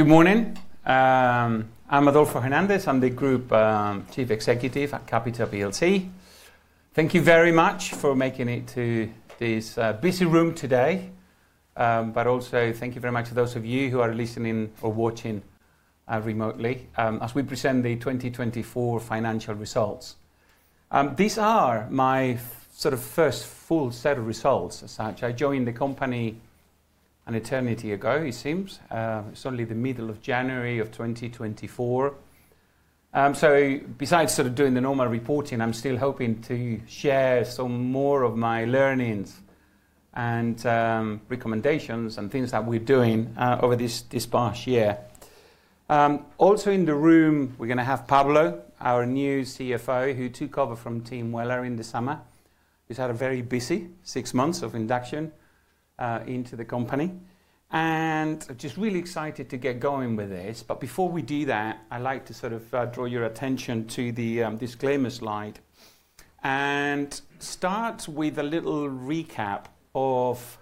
Good morning. I'm Adolfo Hernandez. I'm the Group Chief Executive at Capita. Thank you very much for making it to this busy room today, but also thank you very much to those of you who are listening or watching remotely as we present the 2024 financial results. These are my sort of first full set of results as such. I joined the company an eternity ago, it seems. It's only the middle of January of 2024. Besides sort of doing the normal reporting, I'm still hoping to share some more of my learnings and recommendations and things that we're doing over this past year. Also in the room, we're going to have Pablo, our new CFO, who took over from Tim Weller in the summer. He's had a very busy six months of induction into the company. I'm just really excited to get going with this. Before we do that, I'd like to sort of draw your attention to the disclaimer slide and start with a little recap of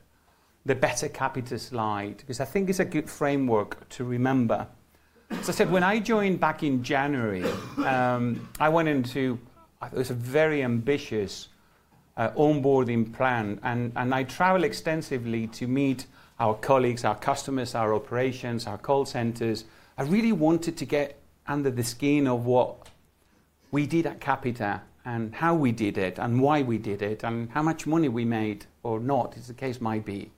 the Better Capital slide, because I think it's a good framework to remember. As I said, when I joined back in January, I went into a very ambitious onboarding plan. I traveled extensively to meet our colleagues, our customers, our operations, our call centers. I really wanted to get under the skin of what we did at Capita and how we did it and why we did it and how much money we made or not, as the case might be.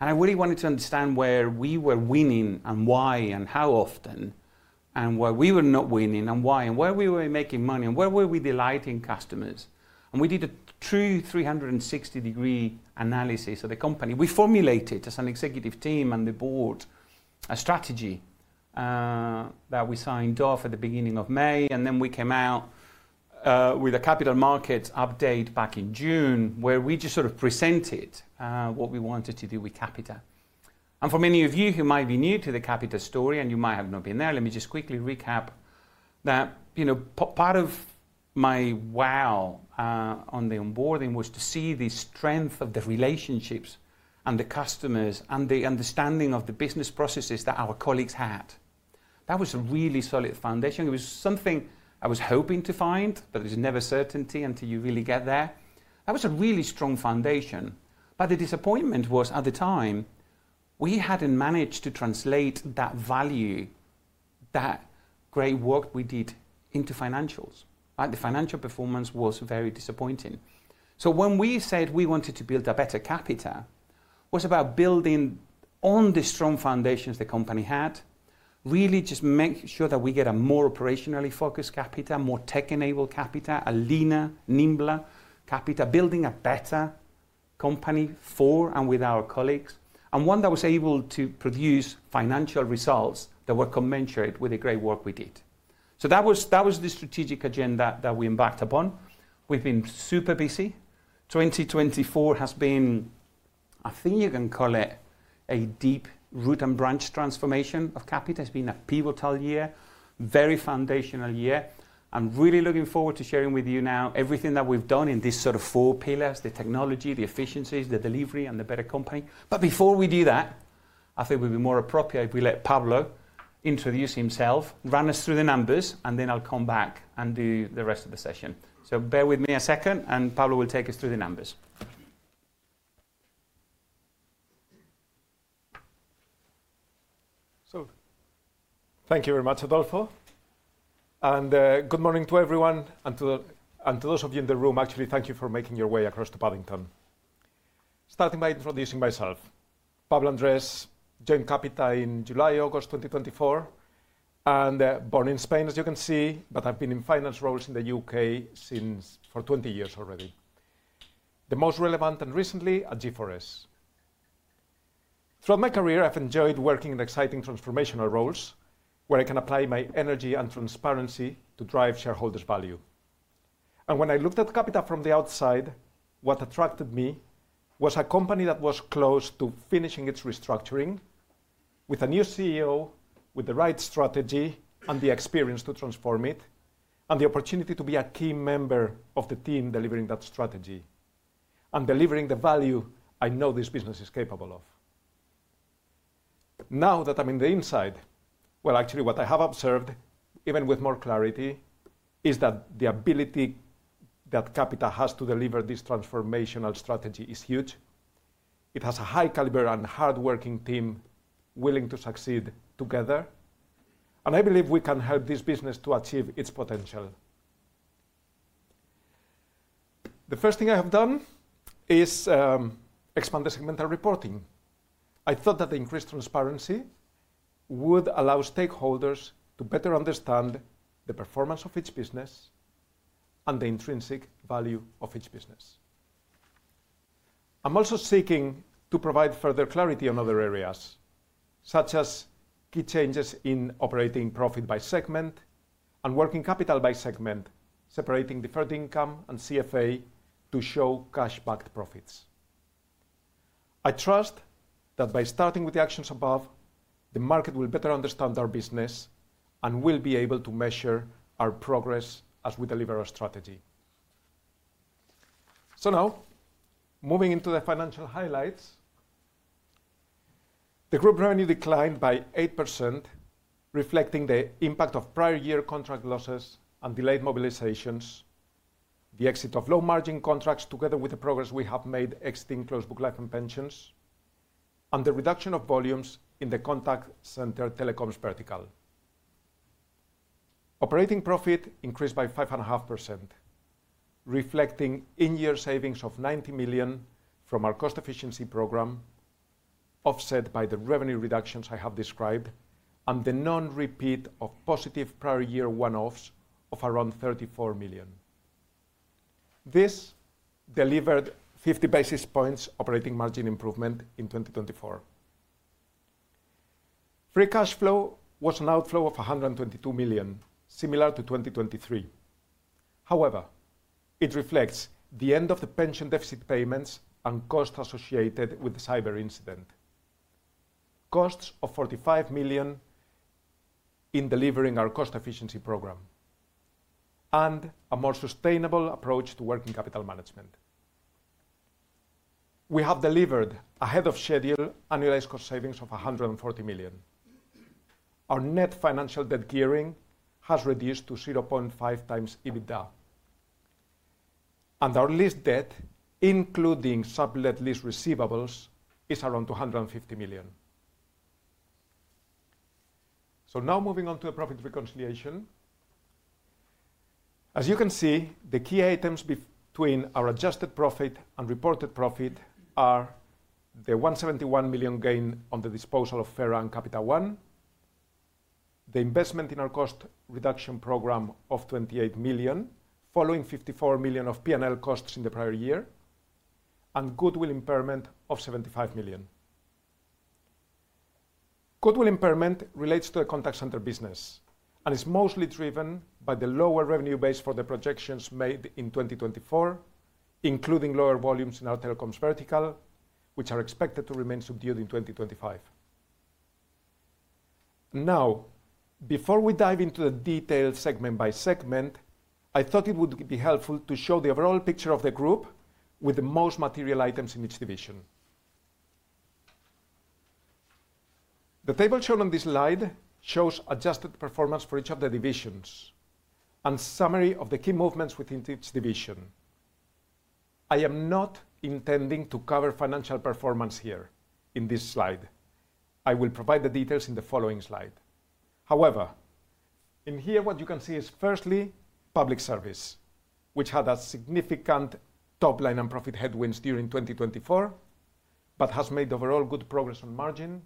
I really wanted to understand where we were winning and why and how often and why we were not winning and why and where we were making money and where we were delighting customers. We did a true 360-degree analysis of the company. We formulated, as an executive team and the board, a strategy that we signed off at the beginning of May. We came out with a capital markets update back in June, where we just sort of presented what we wanted to do with Capita. For many of you who might be new to the Capita story and you might have not been there, let me just quickly recap that part of my wow on the onboarding was to see the strength of the relationships and the customers and the understanding of the business processes that our colleagues had. That was a really solid foundation. It was something I was hoping to find, but there's never certainty until you really get there. That was a really strong foundation. The disappointment was, at the time, we hadn't managed to translate that value, that great work we did, into financials. The financial performance was very disappointing. When we said we wanted to build a better Capita, it was about building on the strong foundations the company had, really just making sure that we get a more operationally focused Capita, more tech-enabled Capita, a leaner, nimble Capita, building a better company for and with our colleagues, and one that was able to produce financial results that were commensurate with the great work we did. That was the strategic agenda that we embarked upon. We've been super busy. 2024 has been, I think you can call it, a deep root and branch transformation of Capita. It's been a pivotal year, a very foundational year. I'm really looking forward to sharing with you now everything that we've done in these sort of four pillars: the technology, the efficiencies, the delivery, and the better company. Before we do that, I think it would be more appropriate if we let Pablo introduce himself, run us through the numbers, and then I'll come back and do the rest of the session. Bear with me a second, and Pablo will take us through the numbers. Thank you very much, Adolfo. Good morning to everyone and to those of you in the room. Actually, thank you for making your way across to Paddington. Starting by introducing myself, Pablo Andres, joined Capita in July, August 2024, and born in Spain, as you can see. I have been in finance roles in the U.K. for 20 years already, the most relevant and recently at G4S. Throughout my career, I have enjoyed working in exciting transformational roles where I can apply my energy and transparency to drive shareholders' value. When I looked at Capita from the outside, what attracted me was a company that was close to finishing its restructuring with a new CEO, with the right strategy and the experience to transform it, and the opportunity to be a key member of the team delivering that strategy and delivering the value I know this business is capable of. Now that I'm on the inside, actually, what I have observed, even with more clarity, is that the ability that Capita has to deliver this transformational strategy is huge. It has a high-caliber and hard-working team willing to succeed together. I believe we can help this business to achieve its potential. The first thing I have done is expand the segmental reporting. I thought that the increased transparency would allow stakeholders to better understand the performance of each business and the intrinsic value of each business. I'm also seeking to provide further clarity on other areas, such as key changes in operating profit by segment and working capital by segment, separating deferred income and CFA to show cash-backed profits. I trust that by starting with the actions above, the market will better understand our business and will be able to measure our progress as we deliver our strategy. Now, moving into the financial highlights, the group revenue declined by 8%, reflecting the impact of prior year contract losses and delayed mobilizations, the exit of low-margin contracts together with the progress we have made exiting close-book life and pensions, and the reduction of volumes in the contact center telecoms vertical. Operating profit increased by 5.5%, reflecting in-year savings of 90 million from our cost efficiency program, offset by the revenue reductions I have described and the non-repeat of positive prior year one-offs of around 34 million. This delivered 50 basis points operating margin improvement in 2024. Free cash flow was an outflow of 122 million, similar to 2023. However, it reflects the end of the pension deficit payments and costs associated with the cyber incident, costs of 45 million in delivering our cost efficiency program and a more sustainable approach to working capital management. We have delivered ahead of schedule annualized cost savings of 140 million. Our net financial debt gearing has reduced to 0.5 times EBITDA. Our lease debt, including sublease receivables, is around GBP 250 million. Now, moving on to the profit reconciliation. As you can see, the key items between our adjusted profit and reported profit are the 171 million gain on the disposal of Fera and Capital One, the investment in our cost reduction program of 28 million, following 54 million of P&L costs in the prior year, and goodwill impairment of 75 million. Goodwill impairment relates to the contact center business and is mostly driven by the lower revenue base for the projections made in 2024, including lower volumes in our telecoms vertical, which are expected to remain subdued in 2025. Now, before we dive into the detailed segment by segment, I thought it would be helpful to show the overall picture of the group with the most material items in each division. The table shown on this slide shows adjusted performance for each of the divisions and a summary of the key movements within each division. I am not intending to cover financial performance here in this slide. I will provide the details in the following slide. However, in here, what you can see is, firstly, public service, which had a significant top line and profit headwinds during 2024, but has made overall good progress on margin,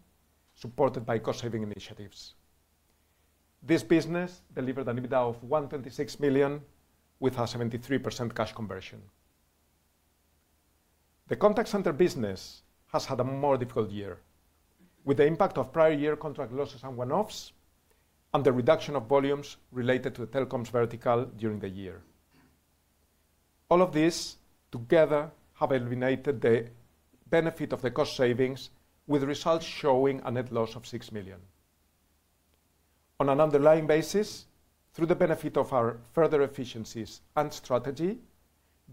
supported by cost-saving initiatives. This business delivered an EBITDA of 126 million with a 73% cash conversion. The contact center business has had a more difficult year with the impact of prior year contract losses and one-offs and the reduction of volumes related to the telecoms vertical during the year. All of this together has eliminated the benefit of the cost savings, with results showing a net loss of 6 million. On an underlying basis, through the benefit of our further efficiencies and strategy,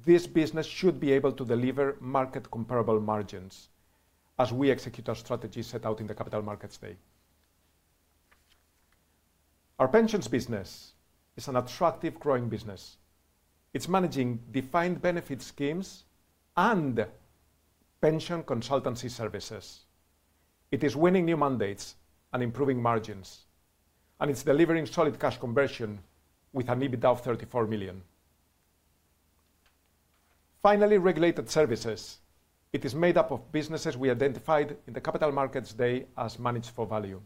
this business should be able to deliver market-comparable margins as we execute our strategy set out in the Capital Markets Day. Our pensions business is an attractive, growing business. It's managing defined benefit schemes and pension consultancy services. It is winning new mandates and improving margins. It's delivering solid cash conversion with an EBITDA of 34 million. Finally, regulated services. It is made up of businesses we identified in the Capital Markets Day as managed for value.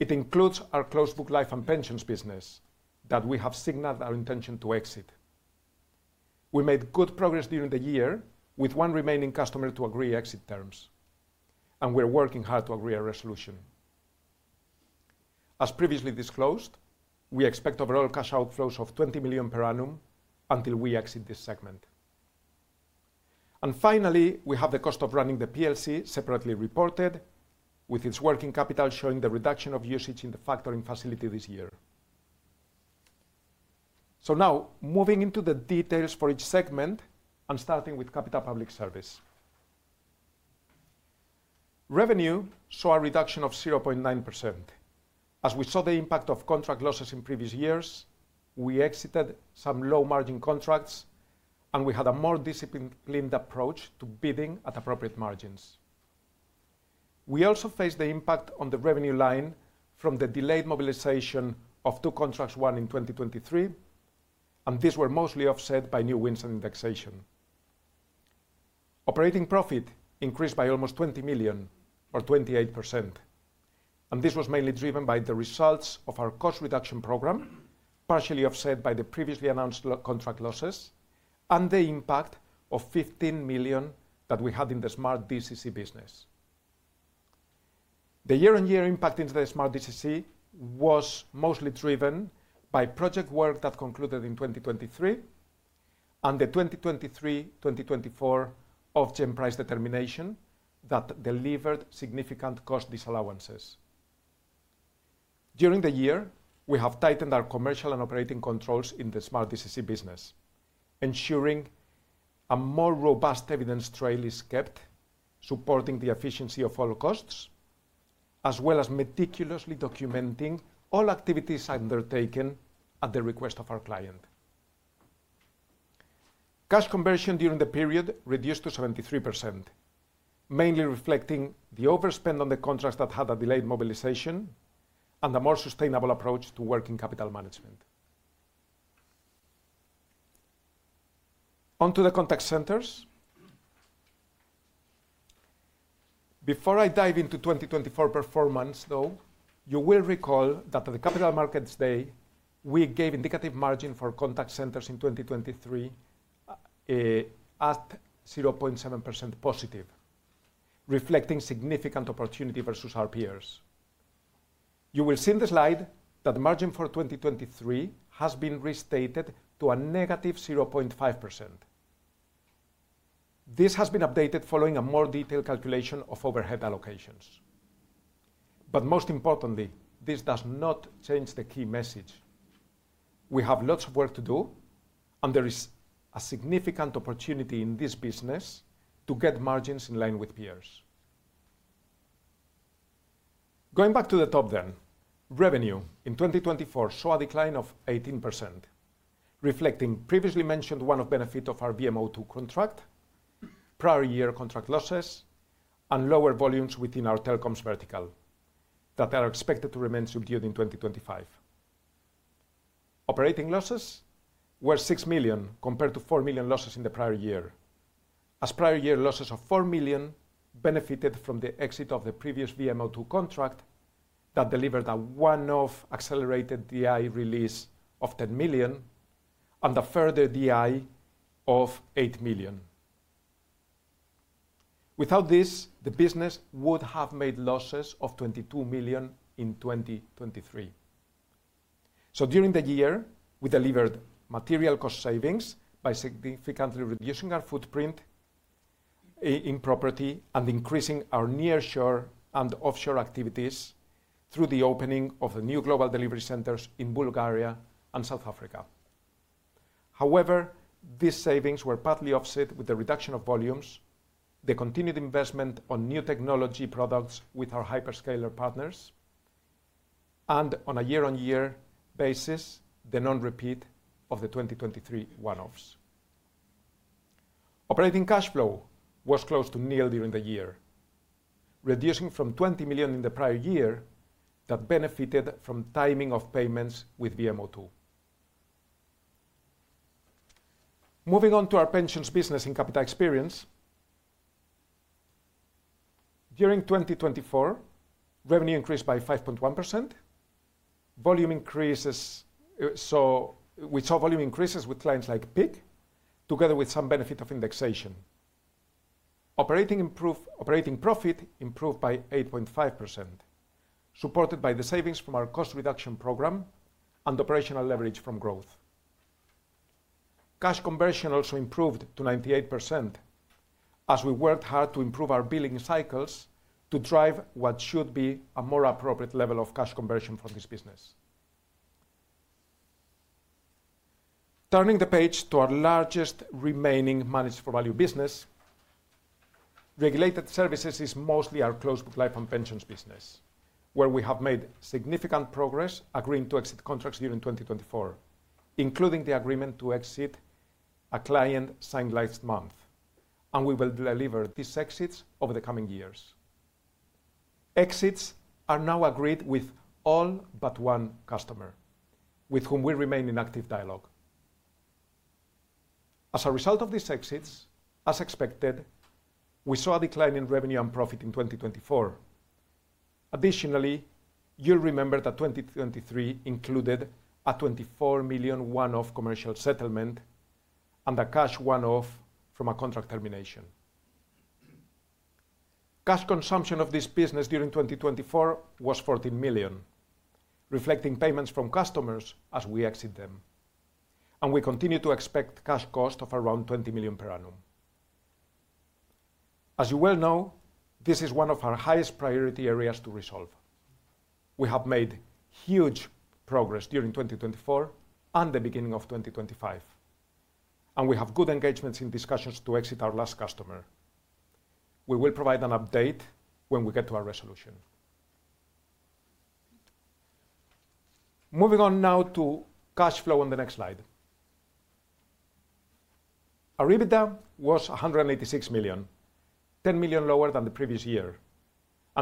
It includes our closed-book life and pensions business that we have signaled our intention to exit. We made good progress during the year with one remaining customer to agree exit terms. We are working hard to agree a resolution. As previously disclosed, we expect overall cash outflows of 20 million per annum until we exit this segment. Finally, we have the cost of running the PLC separately reported, with its working capital showing the reduction of usage in the factoring facility this year. Now, moving into the details for each segment and starting with Capita Public Service. Revenue saw a reduction of 0.9%. As we saw the impact of contract losses in previous years, we exited some low-margin contracts, and we had a more disciplined approach to bidding at appropriate margins. We also faced the impact on the revenue line from the delayed mobilization of two contracts won in 2023, and these were mostly offset by new wins and indexation. Operating profit increased by almost 20 million, or 28%. This was mainly driven by the results of our cost reduction program, partially offset by the previously announced contract losses and the impact of 15 million that we had in the smart DCC business. The year-on-year impact into the smart DCC was mostly driven by project work that concluded in 2023 and the 2023-2024 off-gen price determination that delivered significant cost disallowances. During the year, we have tightened our commercial and operating controls in the smart DCC business, ensuring a more robust evidence trail is kept, supporting the efficiency of all costs, as well as meticulously documenting all activities undertaken at the request of our client. Cash conversion during the period reduced to 73%, mainly reflecting the overspend on the contracts that had a delayed mobilization and a more sustainable approach to working capital management. On to the contact centers. Before I dive into 2024 performance, though, you will recall that at the Capital Markets Day, we gave indicative margin for contact centers in 2023 at 0.7% positive, reflecting significant opportunity versus our peers. You will see in the slide that the margin for 2023 has been restated to a negative 0.5%. This has been updated following a more detailed calculation of overhead allocations. Most importantly, this does not change the key message. We have lots of work to do, and there is a significant opportunity in this business to get margins in line with peers. Going back to the top, then, revenue in 2024 saw a decline of 18%, reflecting previously mentioned one-off benefit of our VMO2 contract, prior year contract losses, and lower volumes within our telecoms vertical that are expected to remain subdued in 2025. Operating losses were 6 million compared to 4 million losses in the prior year, as prior year losses of 4 million benefited from the exit of the previous Virgin Media O2 contract that delivered a one-off accelerated deferred income release of 10 million and a further deferred income of 8 million. Without this, the business would have made losses of 22 million in 2023. During the year, we delivered material cost savings by significantly reducing our footprint in property and increasing our nearshore and offshore activities through the opening of the new global delivery centers in Bulgaria and South Africa. However, these savings were partly offset with the reduction of volumes, the continued investment on new technology products with our hyperscaler partners, and on a year-on-year basis, the non-repeat of the 2023 one-offs. Operating cash flow was close to nil during the year, reducing from 20 million in the prior year that benefited from timing of payments with VMO2. Moving on to our pensions business in Capita Experience. During 2024, revenue increased by 5.1%. We saw volume increases with clients like Pick, together with some benefit of indexation. Operating profit improved by 8.5%, supported by the savings from our cost reduction program and operational leverage from growth. Cash conversion also improved to 98% as we worked hard to improve our billing cycles to drive what should be a more appropriate level of cash conversion for this business. Turning the page to our largest remaining managed for value business, regulated services is mostly our close-book life and pensions business, where we have made significant progress agreeing to exit contracts during 2024, including the agreement to exit a client signed last month. We will deliver these exits over the coming years. Exits are now agreed with all but one customer, with whom we remain in active dialogue. As a result of these exits, as expected, we saw a decline in revenue and profit in 2024. Additionally, you'll remember that 2023 included a 24 million one-off commercial settlement and a cash one-off from a contract termination. Cash consumption of this business during 2024 was 14 million, reflecting payments from customers as we exit them. We continue to expect cash cost of around 20 million per annum. As you well know, this is one of our highest priority areas to resolve. We have made huge progress during 2024 and the beginning of 2025. We have good engagements in discussions to exit our last customer. We will provide an update when we get to our resolution. Moving on now to cash flow on the next slide. Our EBITDA was 186 million, 10 million lower than the previous year.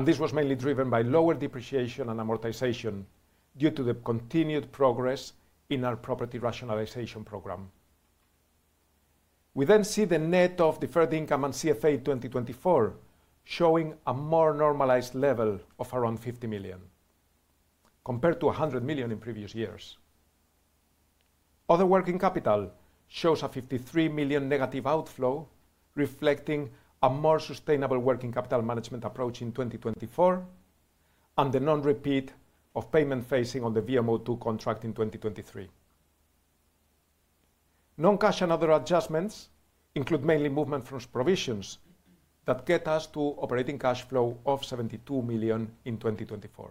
This was mainly driven by lower depreciation and amortization due to the continued progress in our property rationalization program. We then see the net of deferred income and CFA 2024 showing a more normalized level of around 50 million compared to 100 million in previous years. Other working capital shows a 53 million negative outflow, reflecting a more sustainable working capital management approach in 2024 and the non-repeat of payment phasing on the Virgin Media O2 contract in 2023. Non-cash and other adjustments include mainly movement from provisions that get us to operating cash flow of 72 million in 2024.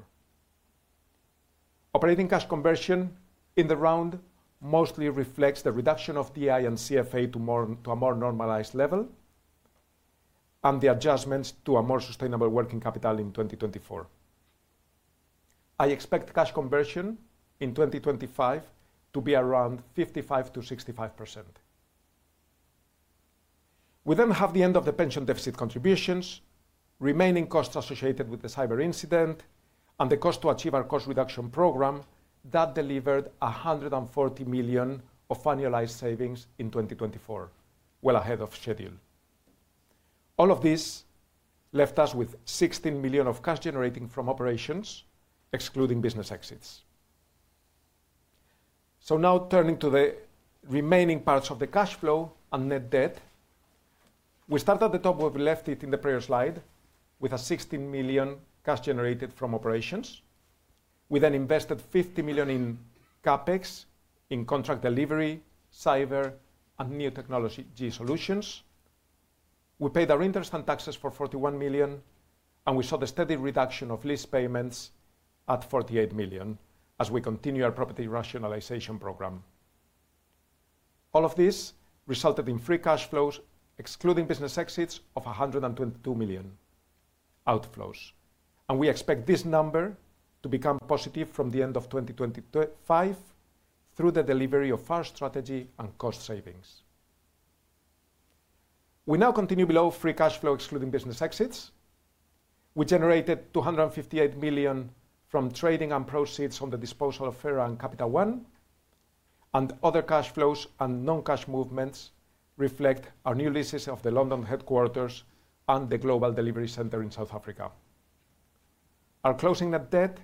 Operating cash conversion in the round mostly reflects the reduction of DI and CFA to a more normalized level and the adjustments to a more sustainable working capital in 2024. I expect cash conversion in 2025 to be around 55%-65%. We then have the end of the pension deficit contributions, remaining costs associated with the cyber incident, and the cost to achieve our cost reduction program that delivered 140 million of annualized savings in 2024, well ahead of schedule. All of this left us with 16 million of cash generating from operations, excluding business exits. Now, turning to the remaining parts of the cash flow and net debt, we start at the top where we left it in the prior slide with a 16 million cash generated from operations. We then invested 50 million in Capex, in contract delivery, cyber, and new technology solutions. We paid our interest and taxes for 41 million, and we saw the steady reduction of lease payments at 48 million as we continue our property rationalization program. All of this resulted in free cash flows, excluding business exits, of 122 million outflows. We expect this number to become positive from the end of 2025 through the delivery of our strategy and cost savings. We now continue below free cash flow, excluding business exits. We generated 258 million from trading and proceeds on the disposal of Fera and Capital One. Other cash flows and non-cash movements reflect our new leases of the London headquarters and the global delivery center in South Africa. Our closing net debt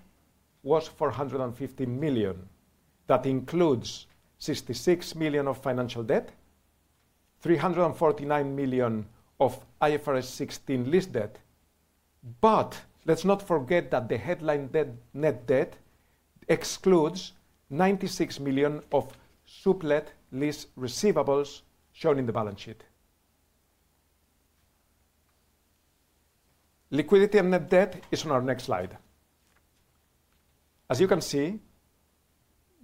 was 450 million. That includes 66 million of financial debt, 349 million of IFRS 16 lease debt. Let's not forget that the headline net debt excludes 96 million of sublet lease receivables shown in the balance sheet. Liquidity and net debt is on our next slide. As you can see,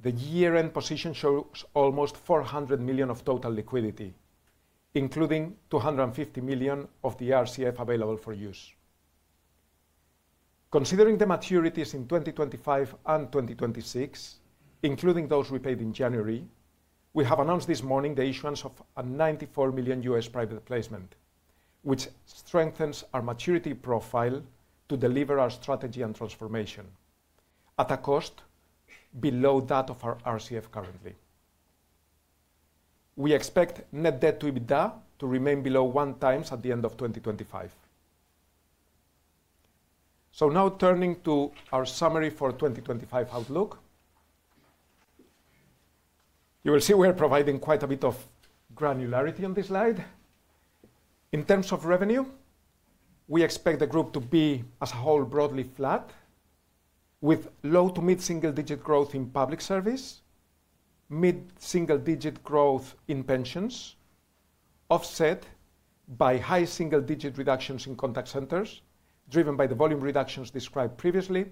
the year-end position shows almost 400 million of total liquidity, including 250 million of the RCF available for use. Considering the maturities in 2025 and 2026, including those we paid in January, we have announced this morning the issuance of a $94 million US private placement, which strengthens our maturity profile to deliver our strategy and transformation at a cost below that of our RCF currently. We expect net debt to EBITDA to remain below one times at the end of 2025. Now, turning to our summary for 2025 outlook, you will see we are providing quite a bit of granularity on this slide. In terms of revenue, we expect the group to be as a whole broadly flat, with low to mid-single digit growth in public service, mid-single digit growth in pensions, offset by high single digit reductions in contact centers driven by the volume reductions described previously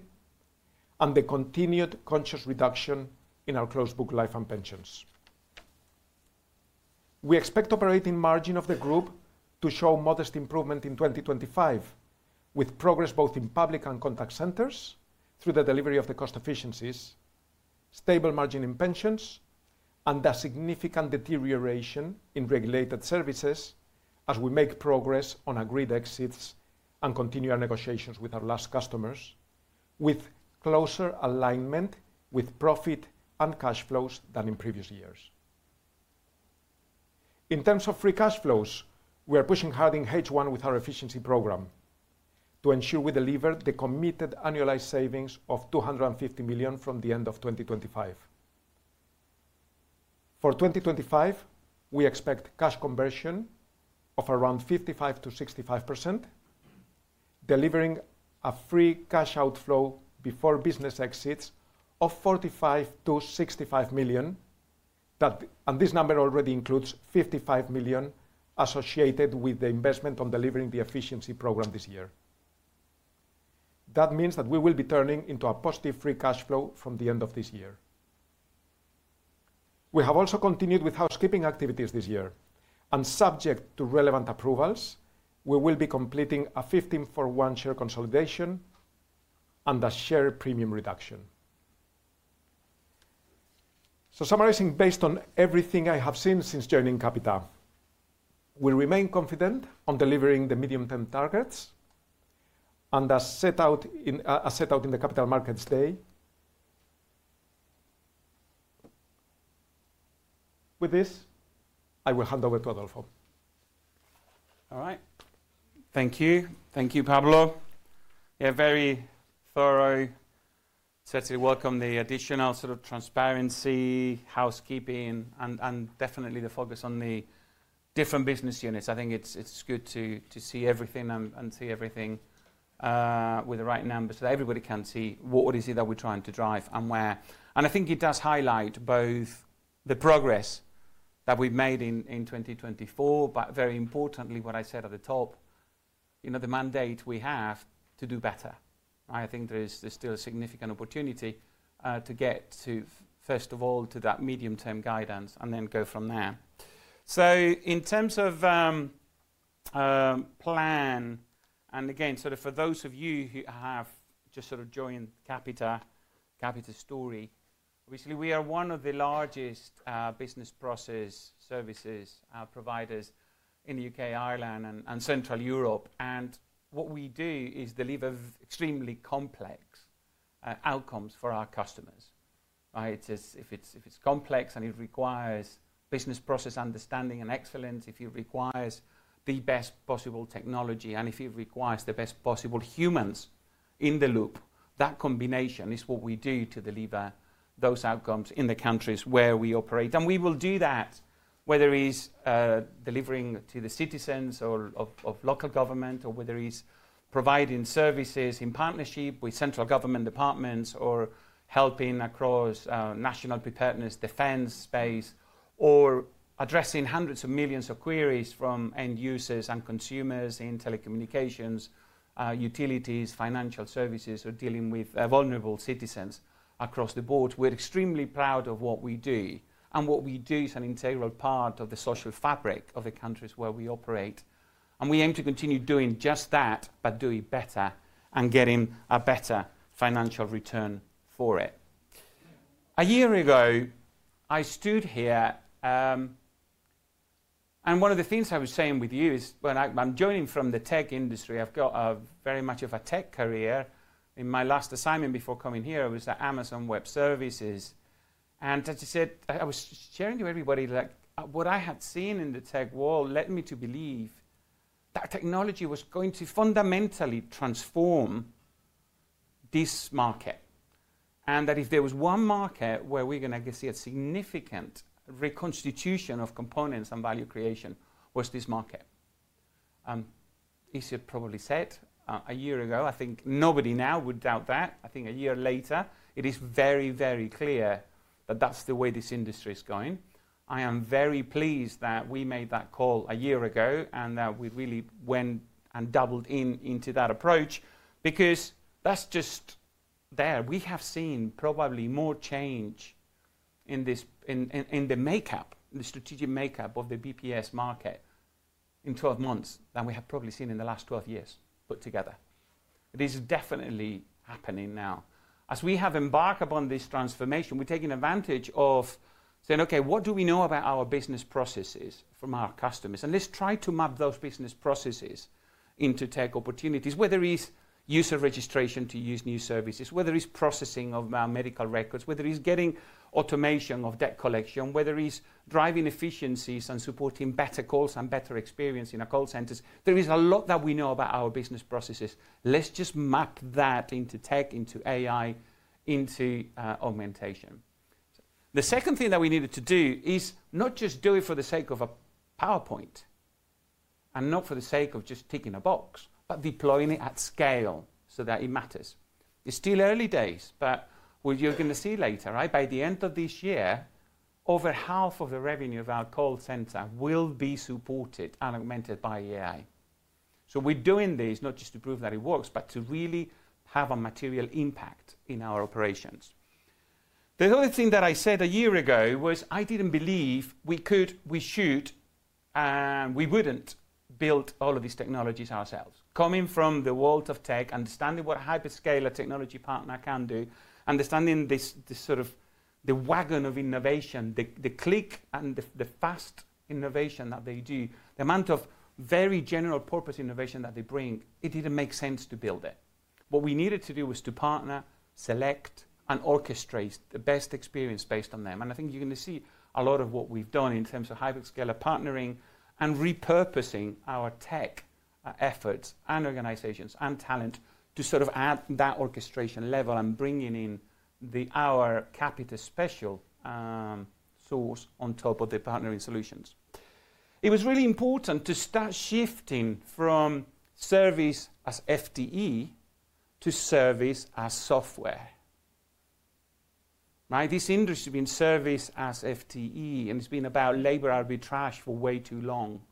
and the continued conscious reduction in our closed-book life and pensions. We expect operating margin of the group to show modest improvement in 2025, with progress both in public and contact centers through the delivery of the cost efficiencies, stable margin in pensions, and a significant deterioration in regulated services as we make progress on agreed exits and continue our negotiations with our last customers, with closer alignment with profit and cash flows than in previous years. In terms of free cash flows, we are pushing hard in H1 with our efficiency program to ensure we deliver the committed annualized savings of 250 million from the end of 2025. For 2025, we expect cash conversion of around 55%-65%, delivering a free cash outflow before business exits of 45 million-65 million. This number already includes 55 million associated with the investment on delivering the efficiency program this year. That means that we will be turning into a positive free cash flow from the end of this year. We have also continued with housekeeping activities this year. Subject to relevant approvals, we will be completing a 15 for 1 share consolidation and a share premium reduction. Summarizing based on everything I have seen since joining Capita, we remain confident on delivering the medium-term targets as set out in the Capital Markets Day. With this, I will hand over to Adolfo. All right. Thank you. Thank you, Pablo. Yeah, very thorough. Certainly welcome the additional sort of transparency, housekeeping, and definitely the focus on the different business units. I think it's good to see everything and see everything with the right numbers so that everybody can see what it is that we're trying to drive and where. I think it does highlight both the progress that we've made in 2024, but very importantly, what I said at the top, the mandate we have to do better. I think there's still a significant opportunity to get to, first of all, to that medium-term guidance and then go from there. In terms of plan, and again, sort of for those of you who have just sort of joined Capita, Capita's story, obviously, we are one of the largest business process services providers in the U.K., Ireland, and Central Europe. What we do is deliver extremely complex outcomes for our customers. If it's complex and it requires business process understanding and excellence, if it requires the best possible technology, and if it requires the best possible humans in the loop, that combination is what we do to deliver those outcomes in the countries where we operate. We will do that, whether it is delivering to the citizens of local government, or whether it is providing services in partnership with central government departments, or helping across national preparedness, defense space, or addressing hundreds of millions of queries from end users and consumers in telecommunications, utilities, financial services, or dealing with vulnerable citizens across the board. We're extremely proud of what we do. What we do is an integral part of the social fabric of the countries where we operate. We aim to continue doing just that, but doing better and getting a better financial return for it. A year ago, I stood here, and one of the things I was saying with you is, when I'm joining from the tech industry, I've got very much of a tech career. In my last assignment before coming here, I was at Amazon Web Services. As I said, I was sharing to everybody what I had seen in the tech world led me to believe that technology was going to fundamentally transform this market. If there was one market where we were going to see a significant reconstitution of components and value creation, it was this market. As you probably said a year ago, I think nobody now would doubt that. I think a year later, it is very, very clear that is the way this industry is going. I am very pleased that we made that call a year ago and that we really went and doubled into that approach because that is just there. We have seen probably more change in the makeup, the strategic makeup of the BPS market in 12 months than we have probably seen in the last 12 years put together. It is definitely happening now. As we have embarked upon this transformation, we're taking advantage of saying, okay, what do we know about our business processes from our customers? Let's try to map those business processes into tech opportunities, whether it is user registration to use new services, whether it is processing of our medical records, whether it is getting automation of debt collection, whether it is driving efficiencies and supporting better calls and better experience in our call centers. There is a lot that we know about our business processes. Let's just map that into tech, into AI, into augmentation. The second thing that we needed to do is not just do it for the sake of a PowerPoint and not for the sake of just ticking a box, but deploying it at scale so that it matters. It's still early days, but what you're going to see later, right by the end of this year, over half of the revenue of our call center will be supported and augmented by AI. We're doing this not just to prove that it works, but to really have a material impact in our operations. The other thing that I said a year ago was I didn't believe we could, we should, and we wouldn't build all of these technologies ourselves. Coming from the world of tech, understanding what a hyperscaler technology partner can do, understanding the sort of the wagon of innovation, the click and the fast innovation that they do, the amount of very general purpose innovation that they bring, it didn't make sense to build it. What we needed to do was to partner, select, and orchestrate the best experience based on them. I think you're going to see a lot of what we've done in terms of hyperscaler partnering and repurposing our tech efforts and organizations and talent to sort of add that orchestration level and bringing in our Capita special source on top of the partnering solutions. It was really important to start shifting from service as FTE to service as software. This industry has been service as FTE, and it's been about labor arbitrage for way too long.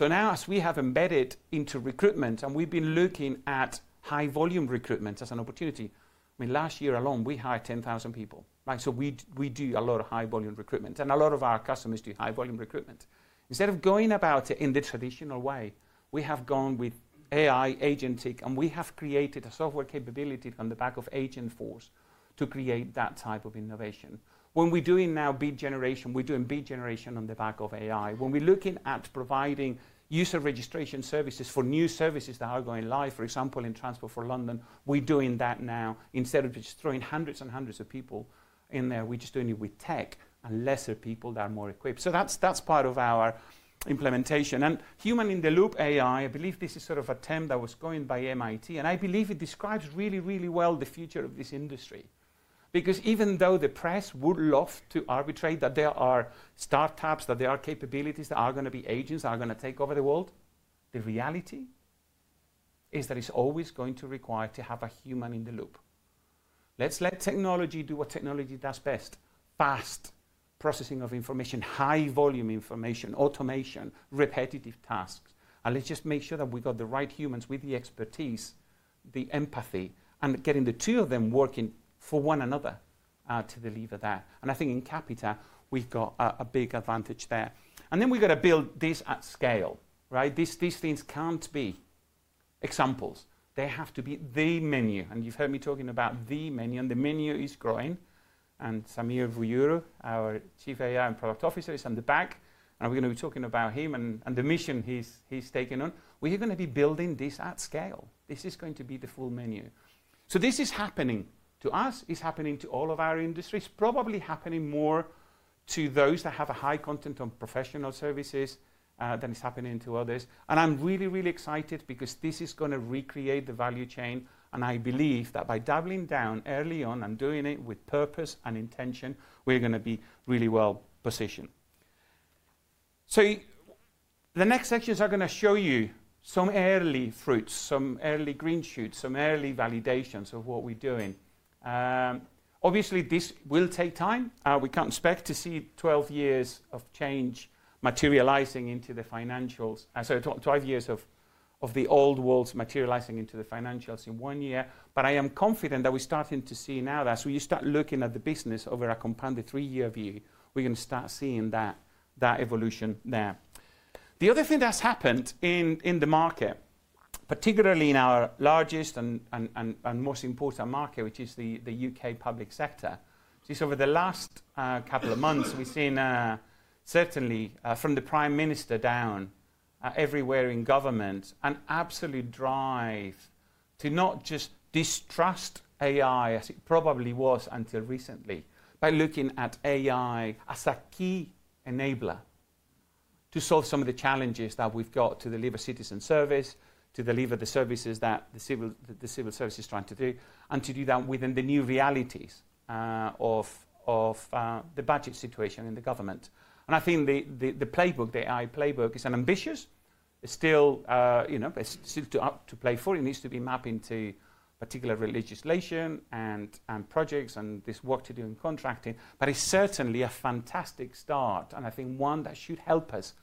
Now, as we have embedded into recruitment, and we've been looking at high-volume recruitment as an opportunity, I mean, last year alone, we hired 10,000 people. We do a lot of high-volume recruitment, and a lot of our customers do high-volume recruitment. Instead of going about it in the traditional way, we have gone with AI agentic, and we have created a software capability on the back of Agentforce to create that type of innovation. When we're doing now beat generation, we're doing beat generation on the back of AI. When we're looking at providing user registration services for new services that are going live, for example, in Transport for London, we're doing that now. Instead of just throwing hundreds and hundreds of people in there, we're just doing it with tech and lesser people that are more equipped. That's part of our implementation. Human in the loop AI, I believe this is sort of a term that was coined by MIT. I believe it describes really, really well the future of this industry. Because even though the press would love to arbitrate that there are startups, that there are capabilities that are going to be agents that are going to take over the world, the reality is that it's always going to require to have a human in the loop. Let's let technology do what technology does best: fast processing of information, high-volume information, automation, repetitive tasks. Let's just make sure that we've got the right humans with the expertise, the empathy, and getting the two of them working for one another to deliver that. I think in Capita, we've got a big advantage there. We've got to build this at scale. These things can't be examples. They have to be the menu. You've heard me talking about the menu, and the menu is growing. Sameer Vuyyuru, our Chief AI and Product Officer, is on the back. We're going to be talking about him and the mission he's taken on. We're going to be building this at scale. This is going to be the full menu. This is happening to us, is happening to all of our industries, probably happening more to those that have a high content on professional services than it's happening to others. I'm really, really excited because this is going to recreate the value chain. I believe that by doubling down early on and doing it with purpose and intention, we're going to be really well positioned. The next sections are going to show you some early fruits, some early green shoots, some early validations of what we're doing. Obviously, this will take time. We can't expect to see 12 years of change materializing into the financials, as I talked, 12 years of the old world's materializing into the financials in one year. I am confident that we're starting to see now that as we start looking at the business over a compounded three-year view, we're going to start seeing that evolution there. The other thing that's happened in the market, particularly in our largest and most important market, which is the U.K. public sector, is over the last couple of months, we've seen certainly from the Prime Minister down everywhere in government, an absolute drive to not just distrust AI as it probably was until recently, by looking at AI as a key enabler to solve some of the challenges that we've got to deliver citizen service, to deliver the services that the civil service is trying to do, and to do that within the new realities of the budget situation in the government. I think the playbook, the AI playbook, is ambitious. It's still up to play for. It needs to be mapped into particular legislation and projects and this work to do in contracting. It's certainly a fantastic start. I think one that should help us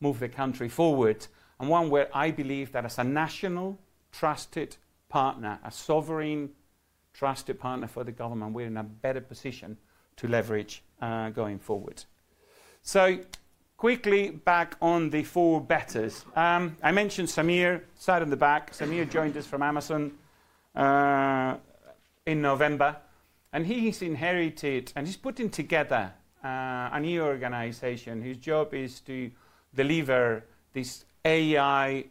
move the country forward and one where I believe that as a national trusted partner, a sovereign trusted partner for the government, we're in a better position to leverage going forward. Quickly back on the four betters. I mentioned Sameer sat in the back. Sameer joined us from Amazon in November. He's inherited, and he's putting together a new organization. His job is to deliver this AI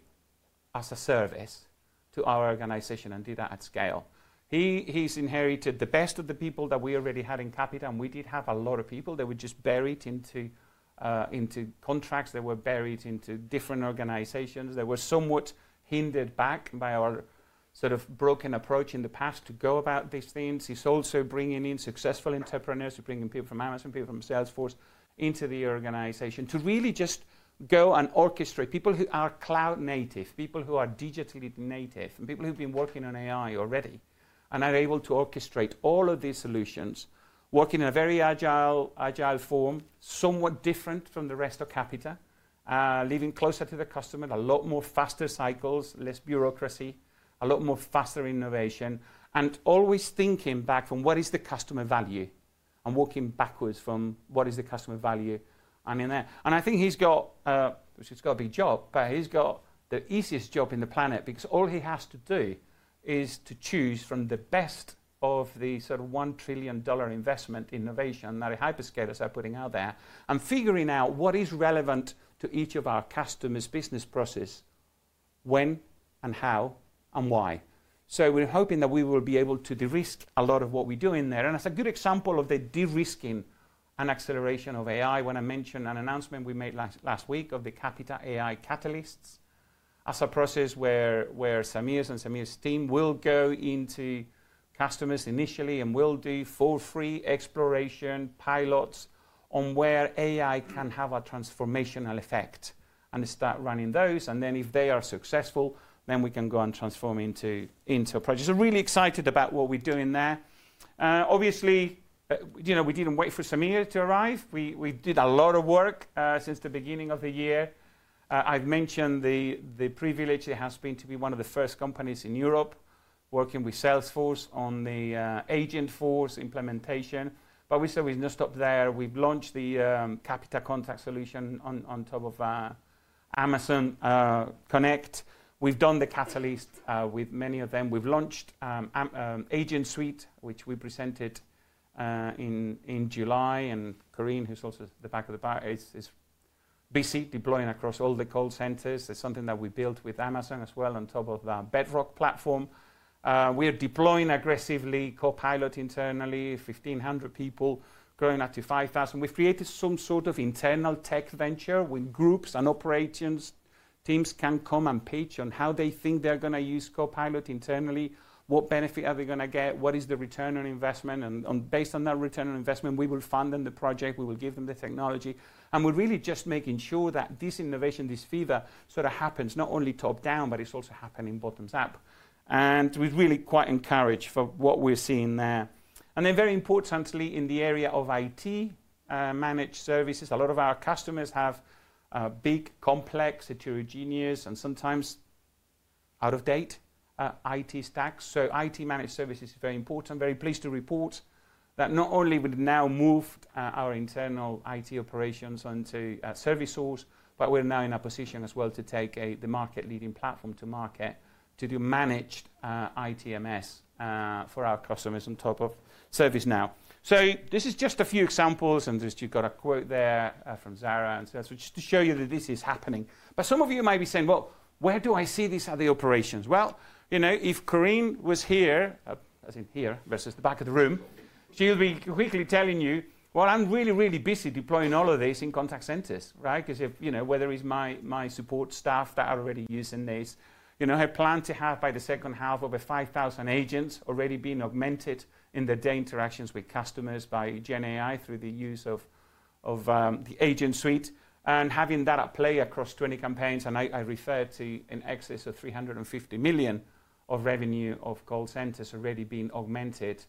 as a service to our organization and do that at scale. He's inherited the best of the people that we already had in Capita. We did have a lot of people. They were just buried into contracts. They were buried into different organizations. They were somewhat hindered back by our sort of broken approach in the past to go about these things. He's also bringing in successful entrepreneurs. He's bringing people from Amazon, people from Salesforce into the organization to really just go and orchestrate people who are cloud native, people who are digitally native, and people who've been working on AI already and are able to orchestrate all of these solutions, working in a very agile form, somewhat different from the rest of Capita, leaning closer to the customer, a lot more faster cycles, less bureaucracy, a lot more faster innovation, and always thinking back from what is the customer value and working backwards from what is the customer value and in there. I think he's got, which it's got a big job, but he's got the easiest job in the planet because all he has to do is to choose from the best of the sort of $1 trillion investment innovation that hyperscalers are putting out there and figuring out what is relevant to each of our customers' business process, when and how and why. We are hoping that we will be able to de-risk a lot of what we do in there. As a good example of the de-risking and acceleration of AI, when I mentioned an announcement we made last week of the Capita AI Catalysts as a process where Sameer's and Sameer's team will go into customers initially and will do for free exploration pilots on where AI can have a transformational effect and start running those. If they are successful, then we can go and transform into a project. Really excited about what we're doing there. Obviously, we didn't wait for Sameer to arrive. We did a lot of work since the beginning of the year. I've mentioned the privilege it has been to be one of the first companies in Europe working with Salesforce on the Agentforce implementation. We said we'd not stop there. We've launched the Capita Contact Solution on top of Amazon Connect. We've done the catalyst with many of them. We've launched AgentSuite, which we presented in July. Corinne, who's also at the back of the bar, is busy deploying across all the call centers. It's something that we built with Amazon as well on top of the Bedrock platform. We're deploying aggressively Copilot internally, 1,500 people, growing up to 5,000. We've created some sort of internal tech venture with groups and operations. Teams can come and pitch on how they think they're going to use Copilot internally. What benefit are they going to get? What is the return on investment? Based on that return on investment, we will fund them the project. We will give them the technology. We're really just making sure that this innovation, this fever, sort of happens not only top down, but it's also happening bottoms up. We're really quite encouraged for what we're seeing there. Very importantly, in the area of IT managed services, a lot of our customers have big, complex, heterogeneous, and sometimes out-of-date IT stacks. IT managed services is very important. Very pleased to report that not only we've now moved our internal IT operations onto ServiceNow, but we're now in a position as well to take the market-leading platform to market to do managed ITMS for our customers on top of ServiceNow. This is just a few examples. You've got a quote there from Zara and Seth, which is to show you that this is happening. Some of you might be saying, you know, where do I see this at the operations? If Corinne was here, as in here versus the back of the room, she'll be quickly telling you, I'm really, really busy deploying all of these in contact centers, right? Because where there is my support staff that are already using these, I plan to have by the second half over 5,000 agents already being augmented in the day interactions with customers by GenAI through the use of the AgentSuite and having that at play across 20 campaigns. I refer to an excess of 350 million of revenue of call centers already being augmented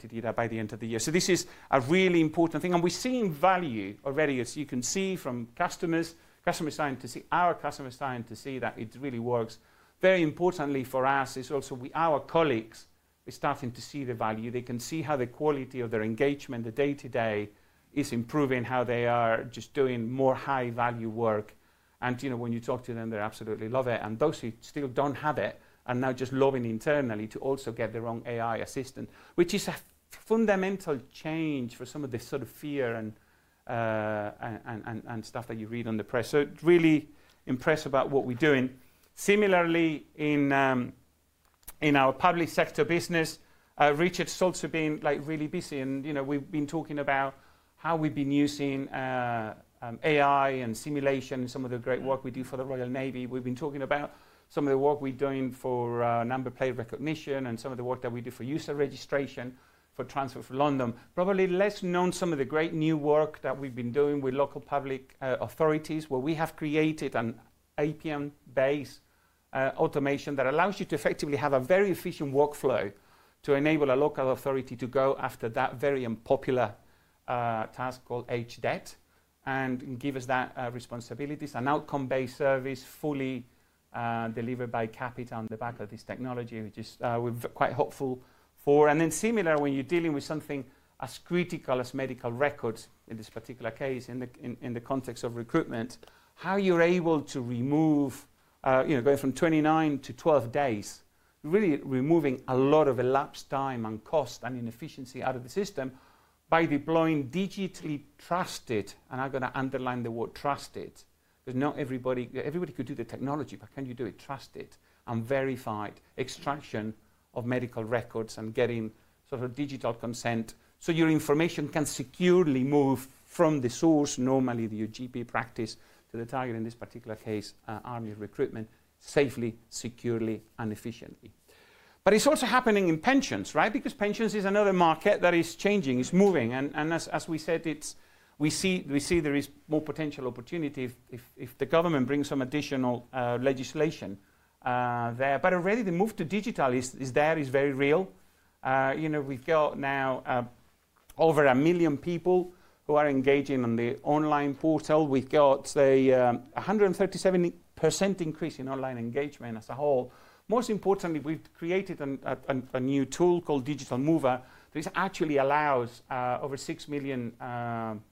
to do that by the end of the year. This is a really important thing. We are seeing value already, as you can see from customers, customer scientists, our customer scientists see that it really works. Very importantly for us is also our colleagues are starting to see the value. They can see how the quality of their engagement, the day-to-day, is improving, how they are just doing more high-value work. When you talk to them, they absolutely love it. Those who still don't have it are now just lobbying internally to also get their own AI assistant, which is a fundamental change for some of this sort of fear and stuff that you read in the press. Really impressed about what we're doing. Similarly, in our public sector business, Richard's also been really busy. We've been talking about how we've been using AI and simulation and some of the great work we do for the Royal Navy. We've been talking about some of the work we're doing for number plate recognition and some of the work that we do for user registration for Transport for London. Probably less known, some of the great new work that we've been doing with local public authorities, where we have created an APM-based automation that allows you to effectively have a very efficient workflow to enable a local authority to go after that very unpopular task called HDET and give us that responsibility. It's an outcome-based service fully delivered by Capita on the back of this technology, which we're quite hopeful for. Similar, when you're dealing with something as critical as medical records in this particular case, in the context of recruitment, how you're able to remove, going from 29 days-12 days, really removing a lot of elapsed time and cost and inefficiency out of the system by deploying digitally trusted, and I'm going to underline the word trusted, because not everybody could do the technology, but can you do it? Trusted and verified extraction of medical records and getting sort of digital consent so your information can securely move from the source, normally your GP practice, to the target, in this particular case, army recruitment, safely, securely, and efficiently. It's also happening in pensions, right? Because pensions is another market that is changing, is moving. As we said, we see there is more potential opportunity if the government brings some additional legislation there. Already, the move to digital is there, is very real. We've got now over 1 million people who are engaging on the online portal. We've got, say, a 137% increase in online engagement as a whole. Most importantly, we've created a new tool called Digital Mover that actually allows over 6 million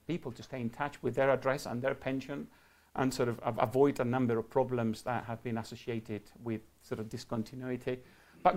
people to stay in touch with their address and their pension and sort of avoid a number of problems that have been associated with sort of discontinuity.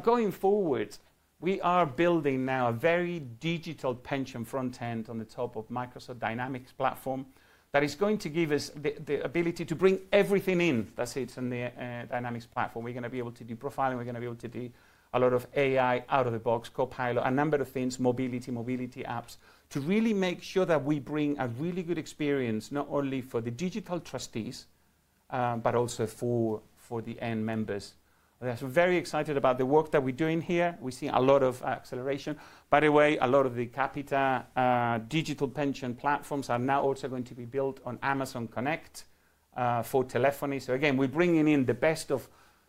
Going forward, we are building now a very digital pension front end on the top of Microsoft Dynamics Platform that is going to give us the ability to bring everything in. That's it. And the Dynamics Platform, we're going to be able to do profiling. We're going to be able to do a lot of AI out of the box, Copilot, a number of things, mobility, mobility apps to really make sure that we bring a really good experience not only for the digital trustees, but also for the end members. We're very excited about the work that we're doing here. We see a lot of acceleration. By the way, a lot of the Capita digital pension platforms are now also going to be built on Amazon Connect for telephony. Again, we're bringing in the best of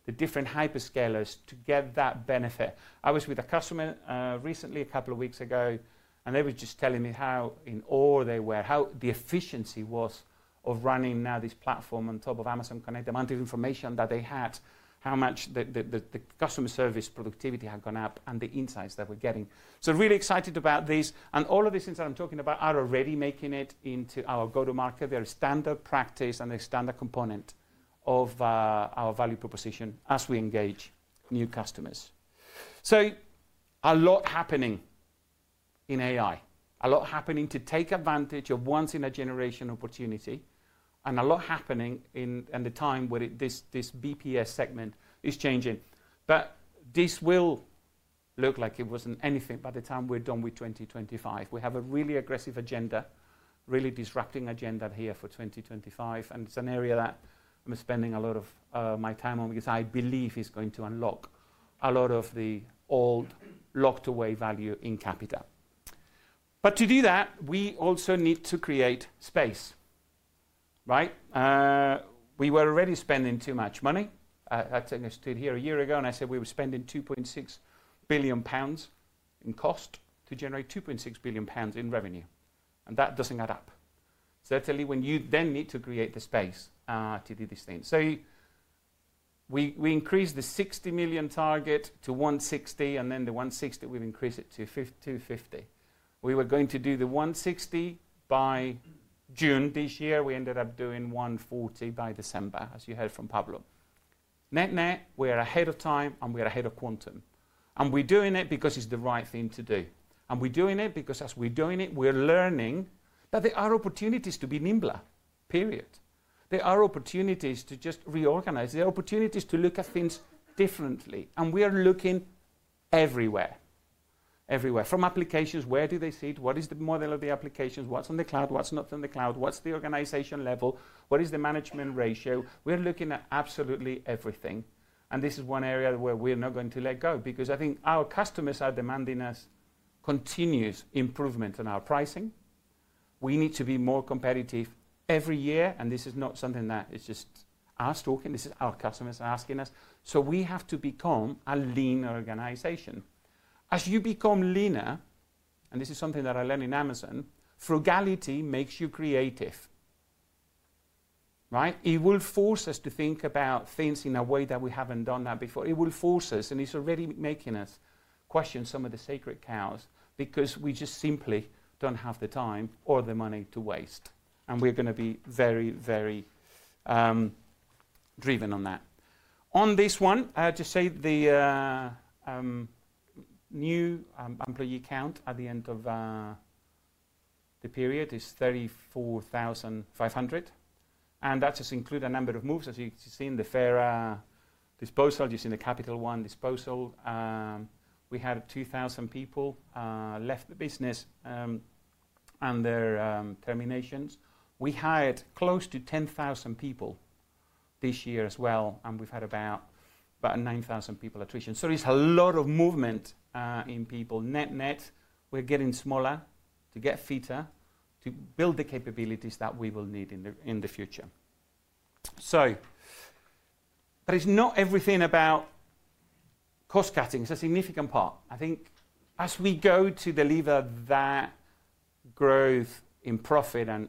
the different hyperscalers to get that benefit. I was with a customer recently, a couple of weeks ago, and they were just telling me how in awe they were, how the efficiency was of running now this platform on top of Amazon Connect, the amount of information that they had, how much the customer service productivity had gone up, and the insights that we're getting. Really excited about this. All of these things that I'm talking about are already making it into our go-to-market. They're a standard practice and a standard component of our value proposition as we engage new customers. A lot happening in AI, a lot happening to take advantage of once-in-a-generation opportunity, and a lot happening in the time where this BPS segment is changing. This will look like it was not anything by the time we are done with 2025. We have a really aggressive agenda, really disrupting agenda here for 2025. It is an area that I am spending a lot of my time on because I believe it is going to unlock a lot of the old locked-away value in Capita. To do that, we also need to create space, right? We were already spending too much money. I stood here a year ago, and I said we were spending 2.6 billion pounds in cost to generate 2.6 billion pounds in revenue. That does not add up. Certainly, when you then need to create the space to do these things. We increased the 60 million target to 160, and then the 160, we've increased it to 250. We were going to do the 160 by June this year. We ended up doing 140 by December, as you heard from Pablo. Net-net, we're ahead of time, and we're ahead of quantum. We're doing it because it's the right thing to do. We're doing it because as we're doing it, we're learning that there are opportunities to be nimbler, period. There are opportunities to just reorganize. There are opportunities to look at things differently. We are looking everywhere, everywhere, from applications. Where do they sit? What is the model of the applications? What's on the cloud? What's not on the cloud? What's the organization level? What is the management ratio? We're looking at absolutely everything. This is one area where we're not going to let go because I think our customers are demanding us continuous improvement in our pricing. We need to be more competitive every year. This is not something that is just us talking. This is our customers asking us. We have to become a lean organization. As you become leaner, and this is something that I learned in Amazon, frugality makes you creative, right? It will force us to think about things in a way that we haven't done that before. It will force us, and it's already making us question some of the sacred cows because we just simply don't have the time or the money to waste. We're going to be very, very driven on that. On this one, I have to say the new employee count at the end of the period is 34,500. That just includes a number of moves, as you can see in the Fera disposal. You see the Capital One disposal. We had 2,000 people left the business and their terminations. We hired close to 10,000 people this year as well. We've had about 9,000 people attrition. There is a lot of movement in people. Net-net, we're getting smaller to get fitter, to build the capabilities that we will need in the future. There is not everything about cost-cutting. It's a significant part. I think as we go to deliver that growth in profit and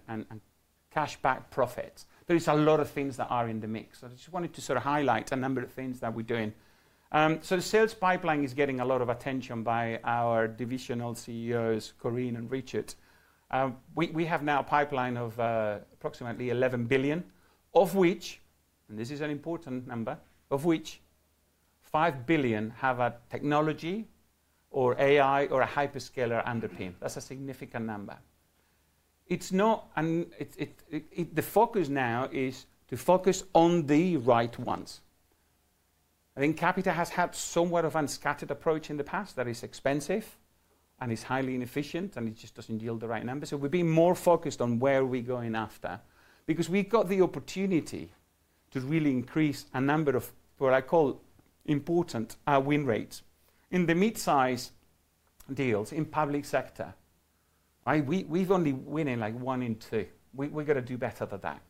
cashback profits, there is a lot of things that are in the mix. I just wanted to sort of highlight a number of things that we're doing. The sales pipeline is getting a lot of attention by our divisional CEOs, Corinne and Richard. We have now a pipeline of approximately 11 billion, of which, and this is an important number, of which 5 billion have a technology or AI or a hyperscaler underpin. That's a significant number. The focus now is to focus on the right ones. I think Capita has had somewhat of an unscattered approach in the past that is expensive and is highly inefficient, and it just doesn't yield the right numbers. We're being more focused on where we're going after because we've got the opportunity to really increase a number of what I call important win rates in the mid-size deals in public sector. We've only won in like one in two. We've got to do better than that.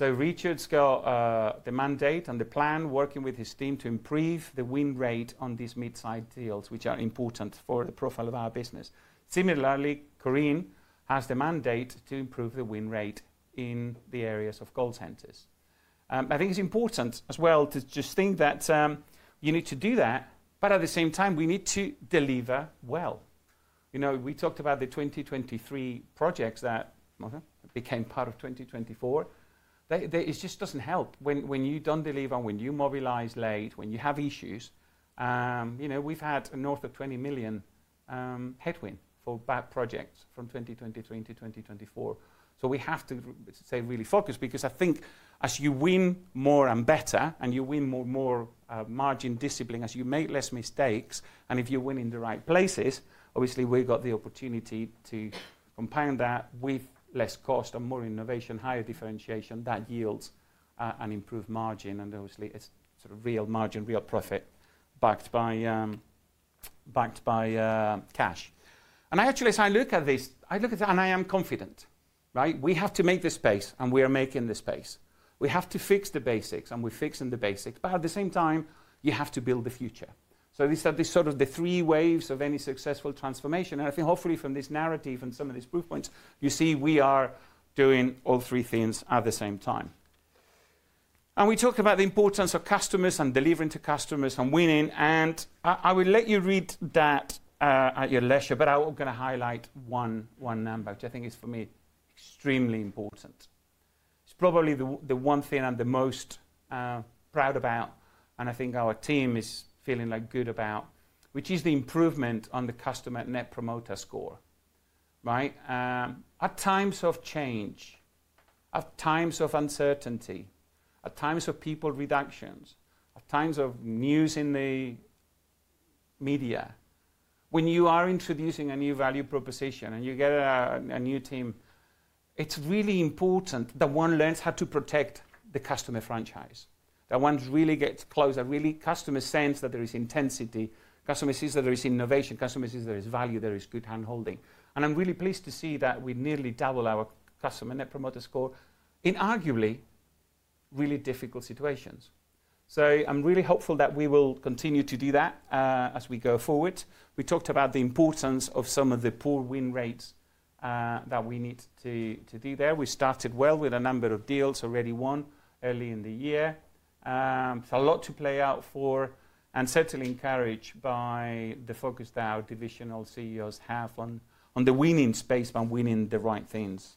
Richard's got the mandate and the plan, working with his team to improve the win rate on these mid-size deals, which are important for the profile of our business. Similarly, Corinne has the mandate to improve the win rate in the areas of call centers. I think it's important as well to just think that you need to do that, but at the same time, we need to deliver well. We talked about the 2023 projects that became part of 2024. It just doesn't help when you don't deliver, when you mobilize late, when you have issues. We've had north of 20 million headwind for bad projects from 2023-2024. We have to, say, really focus because I think as you win more and better and you win more margin discipline as you make less mistakes, if you win in the right places, obviously, we've got the opportunity to compound that with less cost and more innovation, higher differentiation that yields an improved margin. Obviously, it's sort of real margin, real profit backed by cash. Actually, as I look at this, I look at it and I am confident, right? We have to make this space, and we are making this space. We have to fix the basics, and we're fixing the basics. At the same time, you have to build the future. These are sort of the three waves of any successful transformation. I think hopefully from this narrative and some of these proof points, you see we are doing all three things at the same time. We talk about the importance of customers and delivering to customers and winning. I will let you read that at your leisure, but I'm going to highlight one number, which I think is, for me, extremely important. It's probably the one thing I'm the most proud about, and I think our team is feeling good about, which is the improvement on the customer net promoter score, right? At times of change, at times of uncertainty, at times of people reductions, at times of news in the media, when you are introducing a new value proposition and you get a new team, it's really important that one learns how to protect the customer franchise, that one really gets close, that really customers sense that there is intensity, customers see that there is innovation, customers see that there is value, there is good hand-holding. I'm really pleased to see that we nearly double our customer net promoter score in arguably really difficult situations. I'm really hopeful that we will continue to do that as we go forward. We talked about the importance of some of the poor win rates that we need to do there. We started well with a number of deals, already won early in the year. There's a lot to play out for and certainly encouraged by the focus that our divisional CEOs have on the winning space and winning the right things.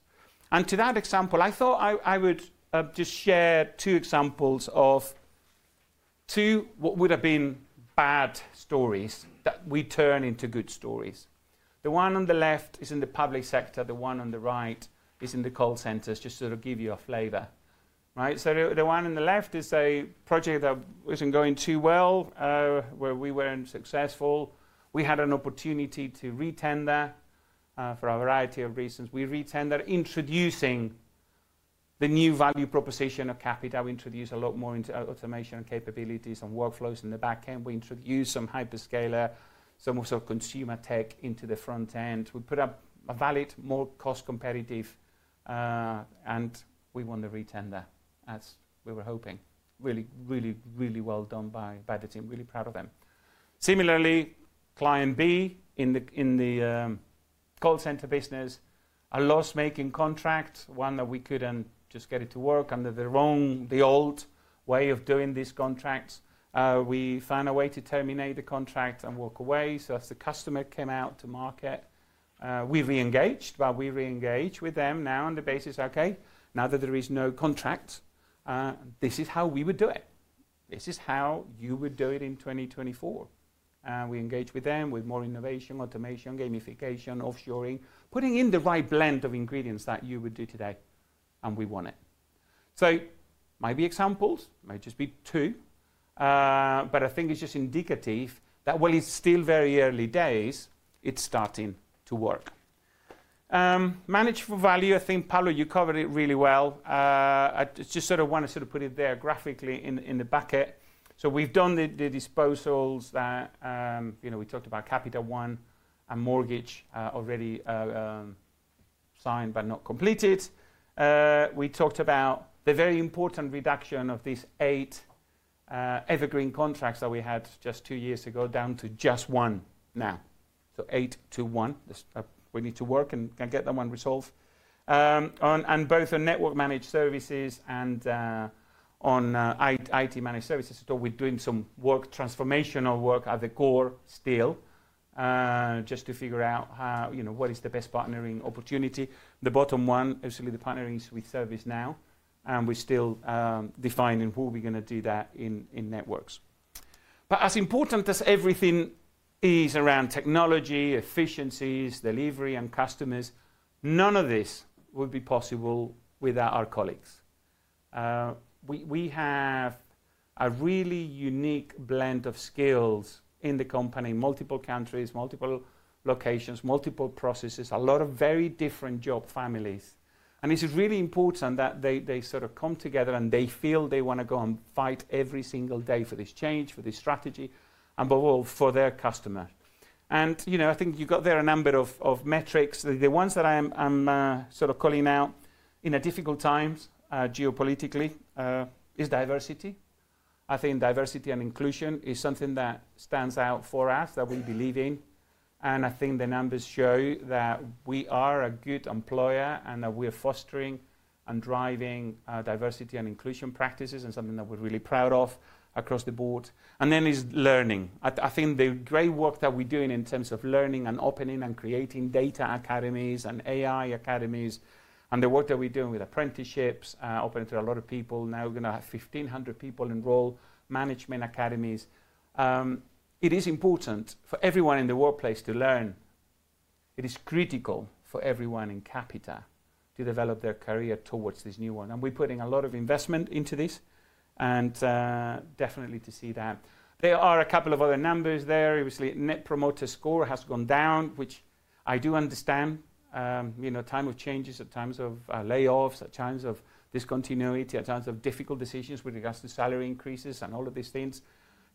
To that example, I thought I would just share two examples of two what would have been bad stories that we turn into good stories. The one on the left is in the public sector. The one on the right is in the call centers, just to sort of give you a flavor, right? The one on the left is a project that wasn't going too well, where we weren't successful. We had an opportunity to retender for a variety of reasons. We retender, introducing the new value proposition of Capita. We introduced a lot more automation and capabilities and workflows in the backend. We introduced some hyperscaler, some of our consumer tech into the front end. We put up a valid, more cost-competitive, and we won the retender as we were hoping. Really, really well done by the team. Really proud of them. Similarly, client B in the call center business, a loss-making contract, one that we couldn't just get it to work under the old way of doing these contracts. We found a way to terminate the contract and walk away. As the customer came out to market, we reengaged, but we reengaged with them now on the basis, okay, now that there is no contract, this is how we would do it. This is how you would do it in 2024. We engaged with them with more innovation, automation, gamification, offshoring, putting in the right blend of ingredients that you would do today, and we won it. It might be examples. It might just be two. I think it's just indicative that while it's still very early days, it's starting to work. Manage for value. I think, Pablo, you covered it really well. I just want to put it there graphically in the bucket. We've done the disposals. We talked about Capita One and mortgage already signed but not completed. We talked about the very important reduction of these eight evergreen contracts that we had just two years ago down to just one now. Eight to one. We need to work and get that one resolved. Both on network-managed services and on IT-managed services, we're doing some work, transformational work at the core still, just to figure out what is the best partnering opportunity. The bottom one, obviously, the partnering is with ServiceNow. We're still defining who we're going to do that in networks. As important as everything is around technology, efficiencies, delivery, and customers, none of this would be possible without our colleagues. We have a really unique blend of skills in the company, multiple countries, multiple locations, multiple processes, a lot of very different job families. It is really important that they sort of come together and they feel they want to go and fight every single day for this change, for this strategy, and for their customers. I think you got there a number of metrics. The ones that I'm sort of calling out in difficult times geopolitically is diversity. I think diversity and inclusion is something that stands out for us that we believe in. I think the numbers show that we are a good employer and that we are fostering and driving diversity and inclusion practices and something that we're really proud of across the board. There is learning. I think the great work that we're doing in terms of learning and opening and creating data academies and AI academies and the work that we're doing with apprenticeships, opening to a lot of people. Now we're going to have 1,500 people enroll in management academies. It is important for everyone in the workplace to learn. It is critical for everyone in Capita to develop their career towards this new one. We're putting a lot of investment into this and definitely to see that. There are a couple of other numbers there. Obviously, net promoter score has gone down, which I do understand. Times of changes, at times of layoffs, at times of discontinuity, at times of difficult decisions with regards to salary increases and all of these things.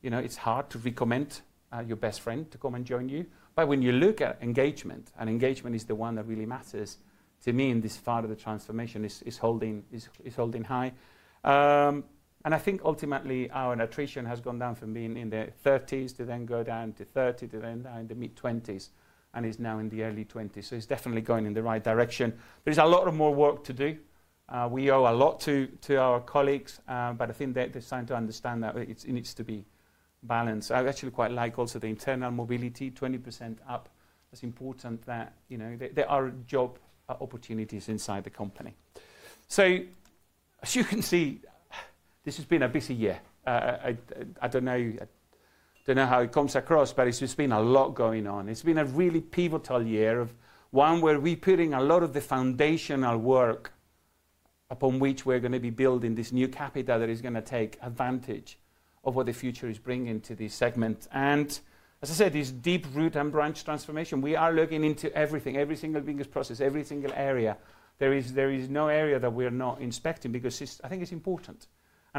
It's hard to recommend your best friend to come and join you. When you look at engagement, and engagement is the one that really matters to me in this part of the transformation, it is holding high. I think ultimately our attrition has gone down from being in the 30s to then go down to 30, to then down to mid-20s, and is now in the early 20s. It is definitely going in the right direction. There is a lot more work to do. We owe a lot to our colleagues, but I think they are starting to understand that it needs to be balanced. I actually quite like also the internal mobility, 20% up. It is important that there are job opportunities inside the company. As you can see, this has been a busy year. I do not know how it comes across, but it has just been a lot going on. It's been a really pivotal year, one where we're putting a lot of the foundational work upon which we're going to be building this new Capita that is going to take advantage of what the future is bringing to this segment. As I said, this deep root and branch transformation, we are looking into everything, every single business process, every single area. There is no area that we're not inspecting because I think it's important.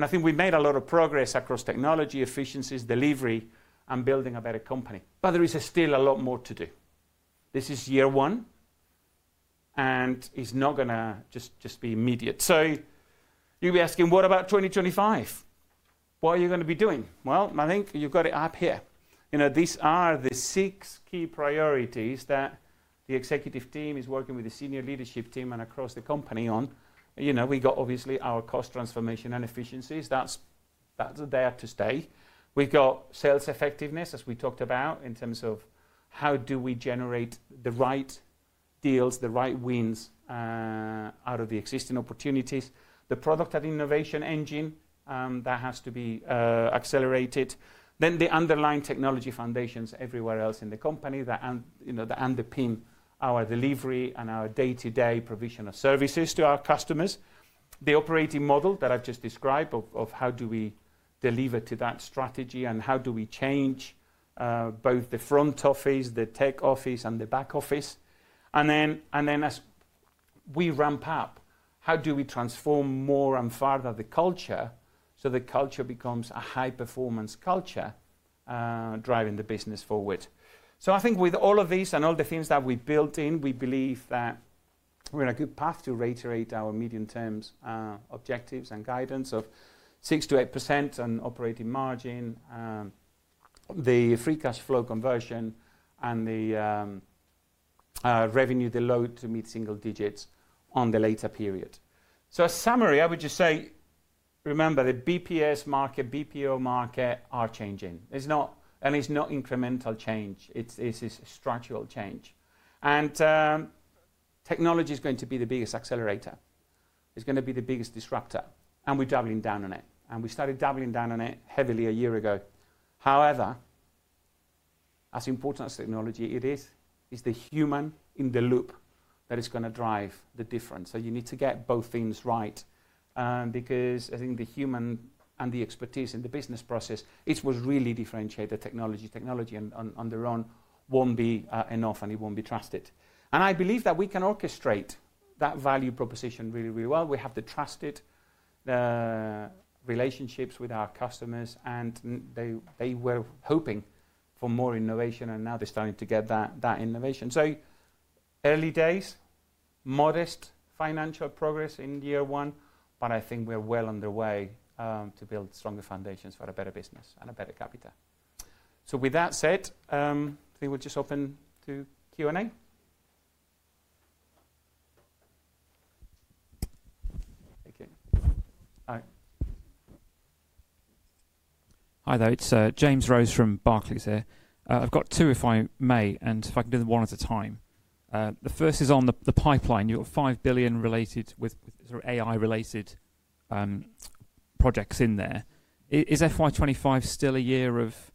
I think we've made a lot of progress across technology, efficiencies, delivery, and building a better company. There is still a lot more to do. This is year one, and it's not going to just be immediate. You'll be asking, what about 2025? What are you going to be doing? I think you've got it up here. These are the six key priorities that the executive team is working with the senior leadership team and across the company on. We've got obviously our cost transformation and efficiencies. That's there to stay. We've got sales effectiveness, as we talked about, in terms of how do we generate the right deals, the right wins out of the existing opportunities, the product and innovation engine that has to be accelerated, then the underlying technology foundations everywhere else in the company that underpin our delivery and our day-to-day provision of services to our customers, the operating model that I've just described of how do we deliver to that strategy and how do we change both the front office, the tech office, and the back office. As we ramp up, how do we transform more and further the culture so the culture becomes a high-performance culture driving the business forward. I think with all of these and all the things that we've built in, we believe that we're on a good path to reiterate our medium-term objectives and guidance of 6%-8% on operating margin, the free cash flow conversion, and the revenue to low to mid single digits on the later period. As a summary, I would just say, remember the BPS market, BPO market are changing. It's not incremental change. It's a structural change. Technology is going to be the biggest accelerator. It's going to be the biggest disruptor. We're doubling down on it. We started doubling down on it heavily a year ago. However, as important as technology is, it's the human in the loop that is going to drive the difference. You need to get both things right because I think the human and the expertise in the business process, it was really differentiated. Technology on their own won't be enough, and it won't be trusted. I believe that we can orchestrate that value proposition really, really well. We have the trusted relationships with our customers, and they were hoping for more innovation, and now they're starting to get that innovation. Early days, modest financial progress in year one, but I think we're well on the way to build stronger foundations for a better business and a better Capita. With that said, I think we'll just open to Q&A. Hi there. It's James Rose from Barclays here. I've got two, if I may, and if I can do them one at a time. The first is on the pipeline. You've got 5 billion related with sort of AI-related projects in there. Is FY 2025 still a year of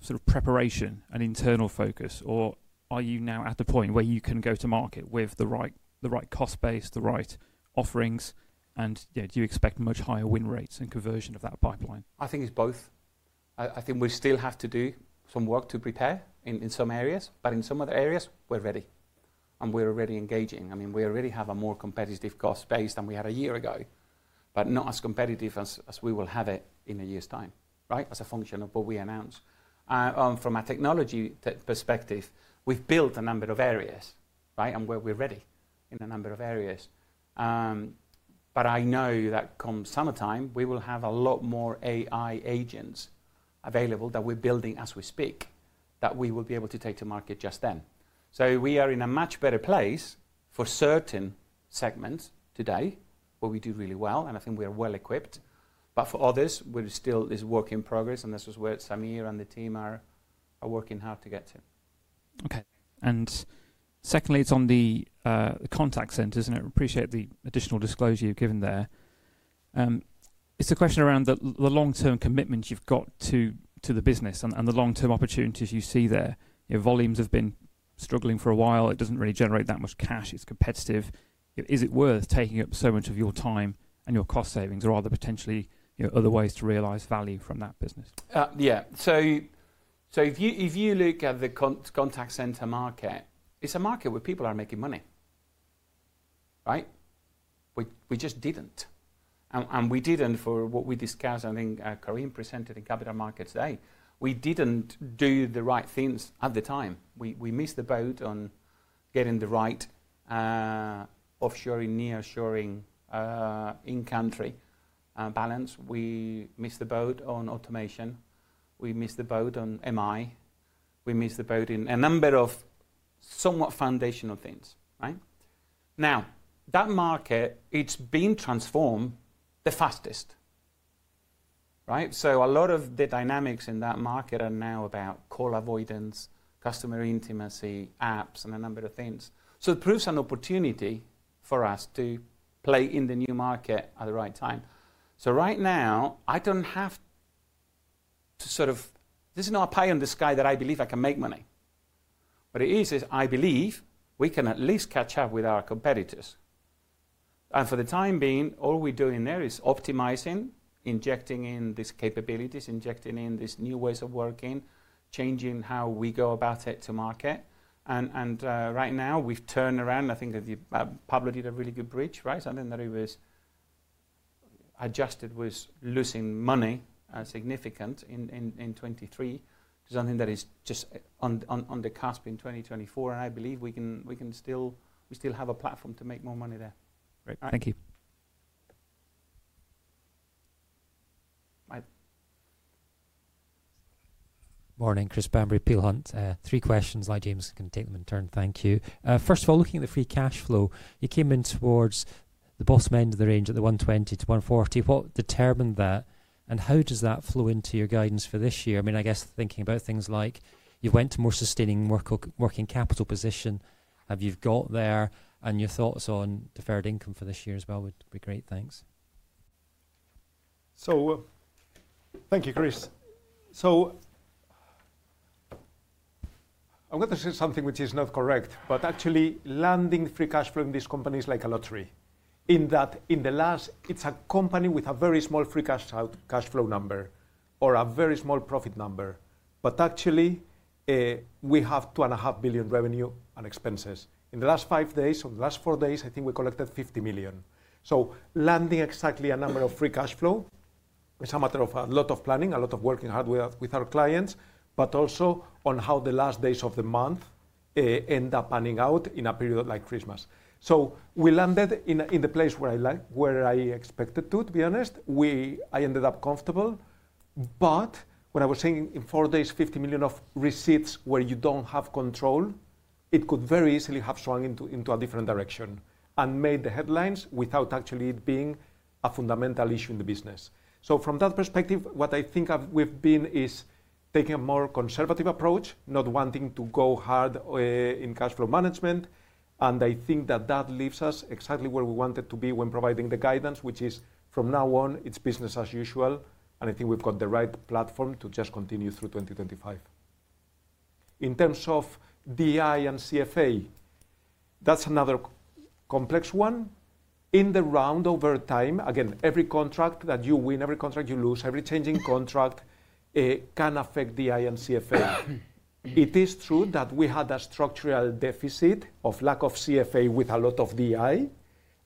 sort of preparation and internal focus, or are you now at the point where you can go to market with the right cost base, the right offerings, and do you expect much higher win rates and conversion of that pipeline? I think it's both. I think we still have to do some work to prepare in some areas, but in some other areas, we're ready. I mean, we already have a more competitive cost base than we had a year ago, but not as competitive as we will have it in a year's time, right, as a function of what we announced. From a technology perspective, we've built a number of areas, right, and we're ready in a number of areas. I know that come summertime, we will have a lot more AI agents available that we're building as we speak that we will be able to take to market just then. We are in a much better place for certain segments today where we do really well, and I think we are well equipped. For others, there's still work in progress, and this is where Sameer and the team are working hard to get to. Okay. Secondly, it's on the contact centers, and I appreciate the additional disclosure you've given there. It's a question around the long-term commitment you've got to the business and the long-term opportunities you see there. Your volumes have been struggling for a while. It doesn't really generate that much cash. It's competitive. Is it worth taking up so much of your time and your cost savings, or are there potentially other ways to realize value from that business? Yeah. If you look at the contact center market, it's a market where people are making money, right? We just didn't. We didn't for what we discussed, I think, Kareem presented in Capital Markets today. We didn't do the right things at the time. We missed the boat on getting the right offshoring, near-shoring, in-country balance. We missed the boat on automation. We missed the boat on MI. We missed the boat in a number of somewhat foundational things, right? That market, it's been transformed the fastest, right? A lot of the dynamics in that market are now about call avoidance, customer intimacy, apps, and a number of things. It proves an opportunity for us to play in the new market at the right time. Right now, I do not have to sort of, this is not a pie in the sky that I believe I can make money. What it is, is I believe we can at least catch up with our competitors. For the time being, all we are doing there is optimizing, injecting in these capabilities, injecting in these new ways of working, changing how we go about it to market. Right now, we have turned around. I think Pablo did a really good bridge, right? Something that he was adjusted was losing money significantly in 2023 to something that is just on the cusp in 2024. I believe we can still have a platform to make more money there. Great. Thank you. Morning, Chris Banbury, Peel Hunt. Three questions. Hi, James. Can take them in turn. Thank you. First of all, looking at the free cash flow, you came in towards the bottom end of the range at the 120 million-140 million. What determined that, and how does that flow into your guidance for this year? I mean, I guess thinking about things like you went to more sustaining working capital position. Have you got there? And your thoughts on deferred income for this year as well would be great. Thanks. Thank you, Chris. I'm going to say something which is not correct, but actually, landing free cash flow in these companies is like a lottery. In the last, it's a company with a very small free cash flow number or a very small profit number. Actually, we have 2.5 billion revenue and expenses. In the last five days or the last four days, I think we collected 50 million. Landing exactly a number of free cash flow is a matter of a lot of planning, a lot of working hard with our clients, but also on how the last days of the month end up panning out in a period like Christmas. We landed in the place where I expected to, to be honest. I ended up comfortable. When I was saying in four days, 50 million of receipts where you do not have control, it could very easily have swung into a different direction and made the headlines without actually it being a fundamental issue in the business. From that perspective, what I think we have been is taking a more conservative approach, not wanting to go hard in cash flow management. I think that that leaves us exactly where we wanted to be when providing the guidance, which is from now on, it's business as usual. I think we've got the right platform to just continue through 2025. In terms of DI and CFA, that's another complex one. In the round over time, again, every contract that you win, every contract you lose, every changing contract can affect DI and CFA. It is true that we had a structural deficit of lack of CFA with a lot of DI.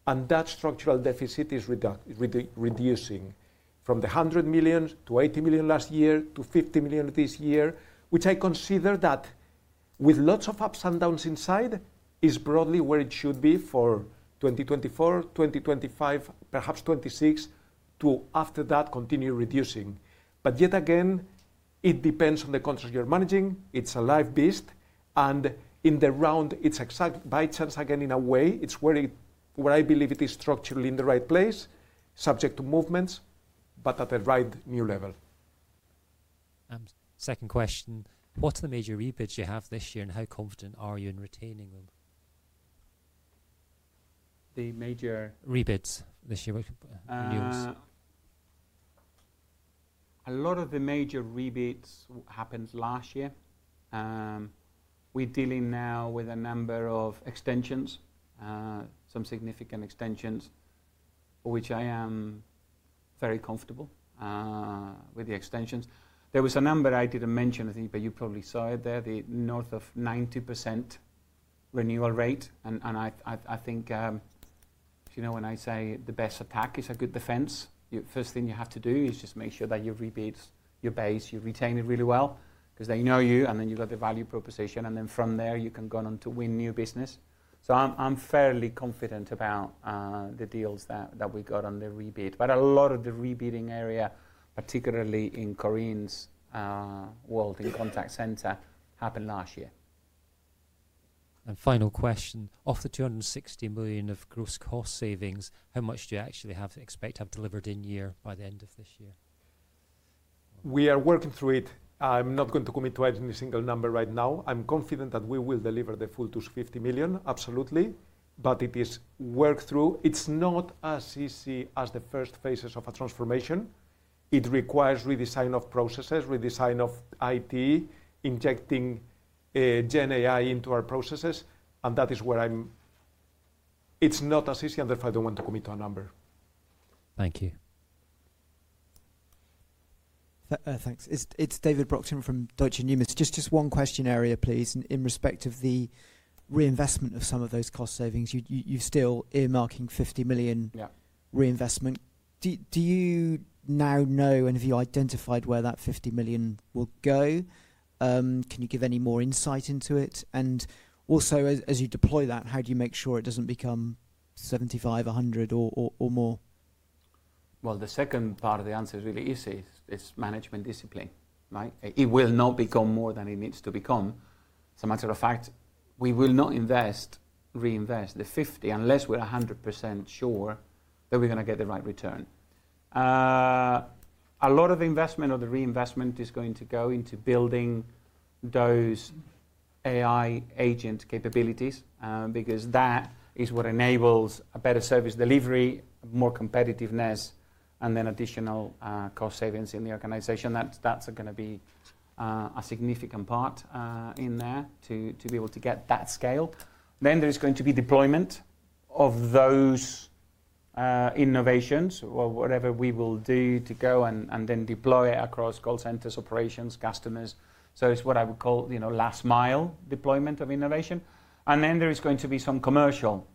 That structural deficit is reducing from the 100 million-80 million last year to 50 million this year, which I consider that with lots of ups and downs inside, is broadly where it should be for 2024, 2025, perhaps 2026, to after that continue reducing. Yet again, it depends on the contracts you're managing. It's a live beast. In the round, it's exact by chance again in a way. It's where I believe it is structurally in the right place, subject to movements, but at the right new level. Second question. What are the major rebids you have this year, and how confident are you in retaining them? The major rebids this year, what's the news? A lot of the major rebids happened last year. We're dealing now with a number of extensions, some significant extensions, which I am very comfortable with the extensions. There was a number I didn't mention, I think, but you probably saw it there, the north of 90% renewal rate. I think when I say the best attack is a good defense, the first thing you have to do is just make sure that you rebid your base, you retain it really well because they know you, and then you have got the value proposition. From there, you can go on to win new business. I am fairly confident about the deals that we got on the rebid. A lot of the rebidding area, particularly in Kareem's world in contact center, happened last year. Final question. Of the 260 million of gross cost savings, how much do you actually expect to have delivered in year by the end of this year? We are working through it. I am not going to commit to any single number right now. I am confident that we will deliver the full 250 million, absolutely. It is work through. It's not as easy as the first phases of a transformation. It requires redesign of processes, redesign of IT, injecting GenAI into our processes. That is where I'm it's not as easy and therefore I don't want to commit to a number. Thank you. Thanks. It's David Broxhill from Deutsche Numis. Just one question area, please. In respect of the reinvestment of some of those cost savings, you're still earmarking 50 million reinvestment. Do you now know and have you identified where that 50 million will go? Can you give any more insight into it? Also, as you deploy that, how do you make sure it doesn't become 75 million, 100 million, or more? The second part of the answer is really easy. It's management discipline, right? It will not become more than it needs to become. As a matter of fact, we will not invest, reinvest the 50 million unless we're 100% sure that we're going to get the right return. A lot of the investment or the reinvestment is going to go into building those AI agent capabilities because that is what enables a better service delivery, more competitiveness, and then additional cost savings in the organization. That is going to be a significant part in there to be able to get that scale. There is going to be deployment of those innovations or whatever we will do to go and then deploy it across call centers, operations, customers. It is what I would call last-mile deployment of innovation. There is going to be some commercial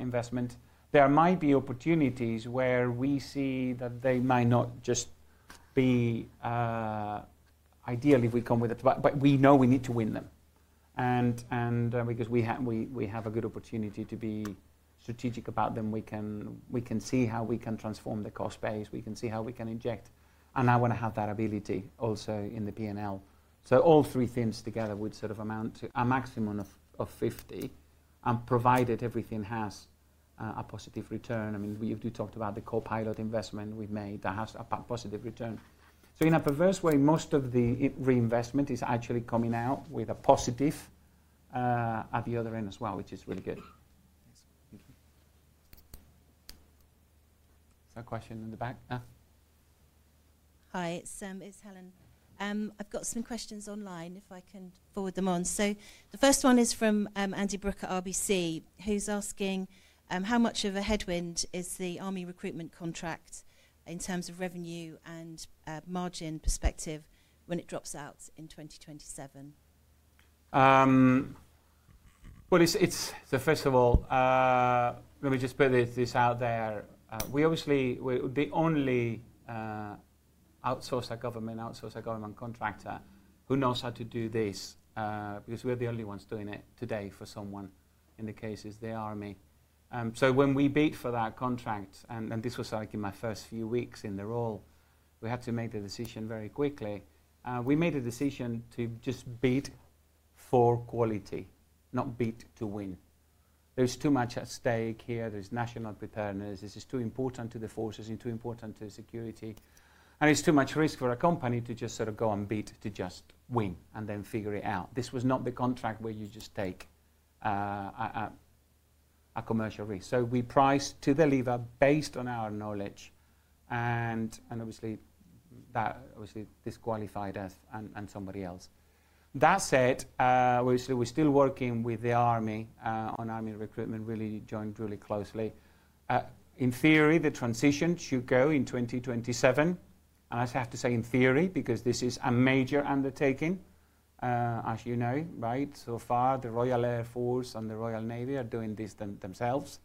investment. There might be opportunities where we see that they might not just be ideal if we come with it, but we know we need to win them. Because we have a good opportunity to be strategic about them, we can see how we can transform the cost base. We can see how we can inject. I want to have that ability also in the P&L. All three things together would sort of amount to a maximum of 50, provided everything has a positive return. I mean, you talked about the Copilot investment we've made that has a positive return. In a perverse way, most of the reinvestment is actually coming out with a positive at the other end as well, which is really good. Is that a question in the back? Hi, Sam. It's Helen. I've got some questions online if I can forward them on. The first one is from Andy Brook at RBC, who's asking how much of a headwind is the army recruitment contract in terms of revenue and margin perspective when it drops out in 2027? First of all, let me just put this out there. We're the only outsourced government contractor who knows how to do this because we're the only ones doing it today for someone, in the cases, the army. When we bid for that contract, and this was like in my first few weeks in the role, we had to make the decision very quickly. We made a decision to just bid for quality, not bid to win. There's too much at stake here. There's national preparedness. This is too important to the forces and too important to security. It is too much risk for a company to just sort of go and bid to just win and then figure it out. This was not the contract where you just take a commercial risk. We price to the lever based on our knowledge. That obviously disqualified us and somebody else. That said, we are still working with the army on army recruitment, really joined really closely. In theory, the transition should go in 2027. I have to say in theory because this is a major undertaking, as you know, right? So far, the Royal Air Force and the Royal Navy are doing this themselves.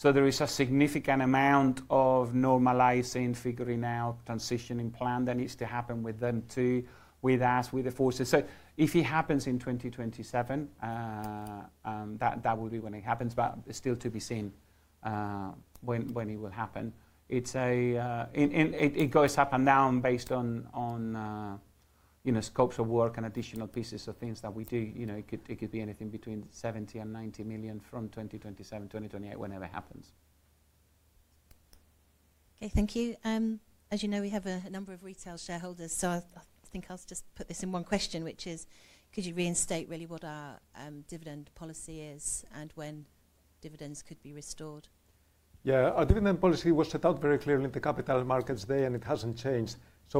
There is a significant amount of normalizing, figuring out, transitioning plan that needs to happen with them too, with us, with the forces. If it happens in 2027, that would be when it happens, but still to be seen when it will happen. It goes up and down based on scopes of work and additional pieces of things that we do. It could be anything between 70 million and 90 million from 2027, 2028, whenever it happens. Okay, thank you. As you know, we have a number of retail shareholders. I think I'll just put this in one question, which is, could you reinstate really what our dividend policy is and when dividends could be restored? Yeah, our dividend policy was set out very clearly in the Capital Markets Day, and it hasn't changed.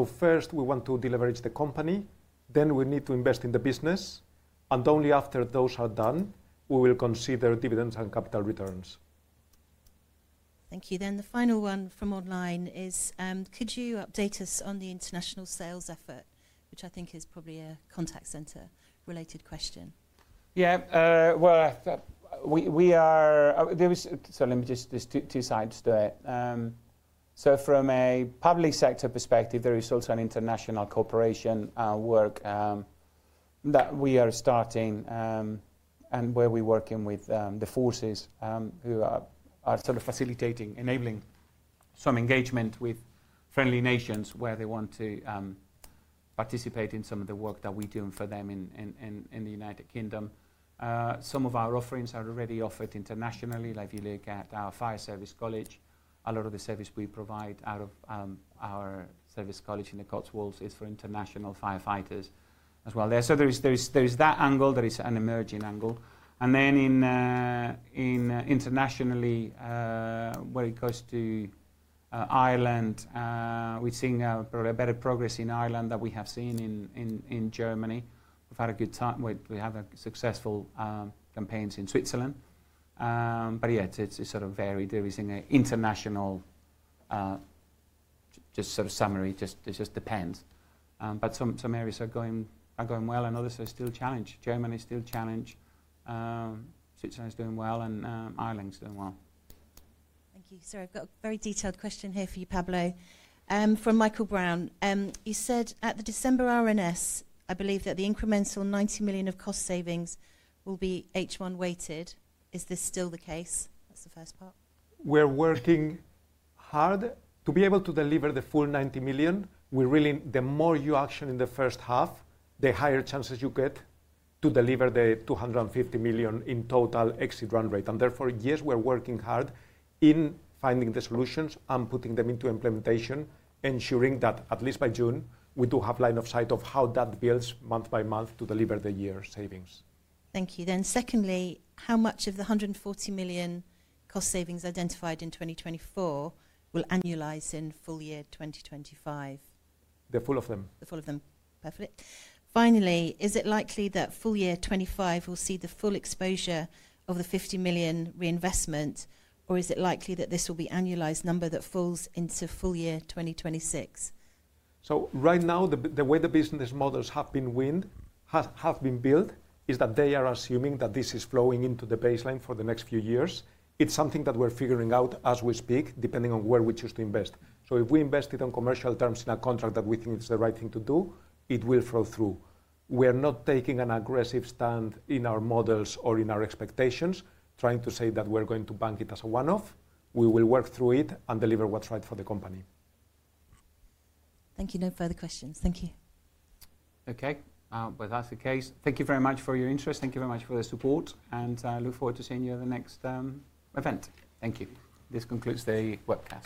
First, we want to deleverage the company. Then we need to invest in the business. Only after those are done, we will consider dividends and capital returns. Thank you. The final one from online is, could you update us on the international sales effort, which I think is probably a contact center-related question? Yeah, there is, so let me just do two sides to it. From a public sector perspective, there is also an international corporation work that we are starting and where we're working with the forces who are sort of facilitating, enabling some engagement with friendly nations where they want to participate in some of the work that we're doing for them in the U.K. Some of our offerings are already offered internationally. Like you look at our fire service college, a lot of the service we provide out of our service college in the Cotswolds is for international firefighters as well there. There is that angle. There is an emerging angle. Internationally, when it goes to Ireland, we're seeing probably better progress in Ireland than we have seen in Germany. We've had a good time. We have successful campaigns in Switzerland. Yeah, it's sort of varied. There is an international just sort of summary. It just depends. Some areas are going well and others are still challenged. Germany is still challenged. Switzerland is doing well and Ireland is doing well. Thank you. Sorry, I've got a very detailed question here for you, Pablo. From Michael Brown, you said at the December R&S, I believe that the incremental 90 million of cost savings will be H1 weighted. Is this still the case? That's the first part. We're working hard to be able to deliver the full 90 million. The more you action in the first half, the higher chances you get to deliver the 250 million in total exit run rate. Yes, we're working hard in finding the solutions and putting them into implementation, ensuring that at least by June, we do have line of sight of how that builds month by month to deliver the year savings. Thank you. Secondly, how much of the 140 million cost savings identified in 2024 will annualize in full year 2025? The full of them. The full of them. Perfect. Finally, is it likely that full year 2025 will see the full exposure of the 50 million reinvestment, or is it likely that this will be annualized number that falls into full year 2026? Right now, the way the business models have been built is that they are assuming that this is flowing into the baseline for the next few years. It is something that we are figuring out as we speak, depending on where we choose to invest. If we invested on commercial terms in a contract that we think is the right thing to do, it will flow through. We are not taking an aggressive stand in our models or in our expectations, trying to say that we are going to bank it as a one-off. We will work through it and deliver what is right for the company. Thank you. No further questions. Thank you. Okay. With that, the case. Thank you very much for your interest. Thank you very much for the support. I look forward to seeing you at the next event. Thank you. This concludes the webcast.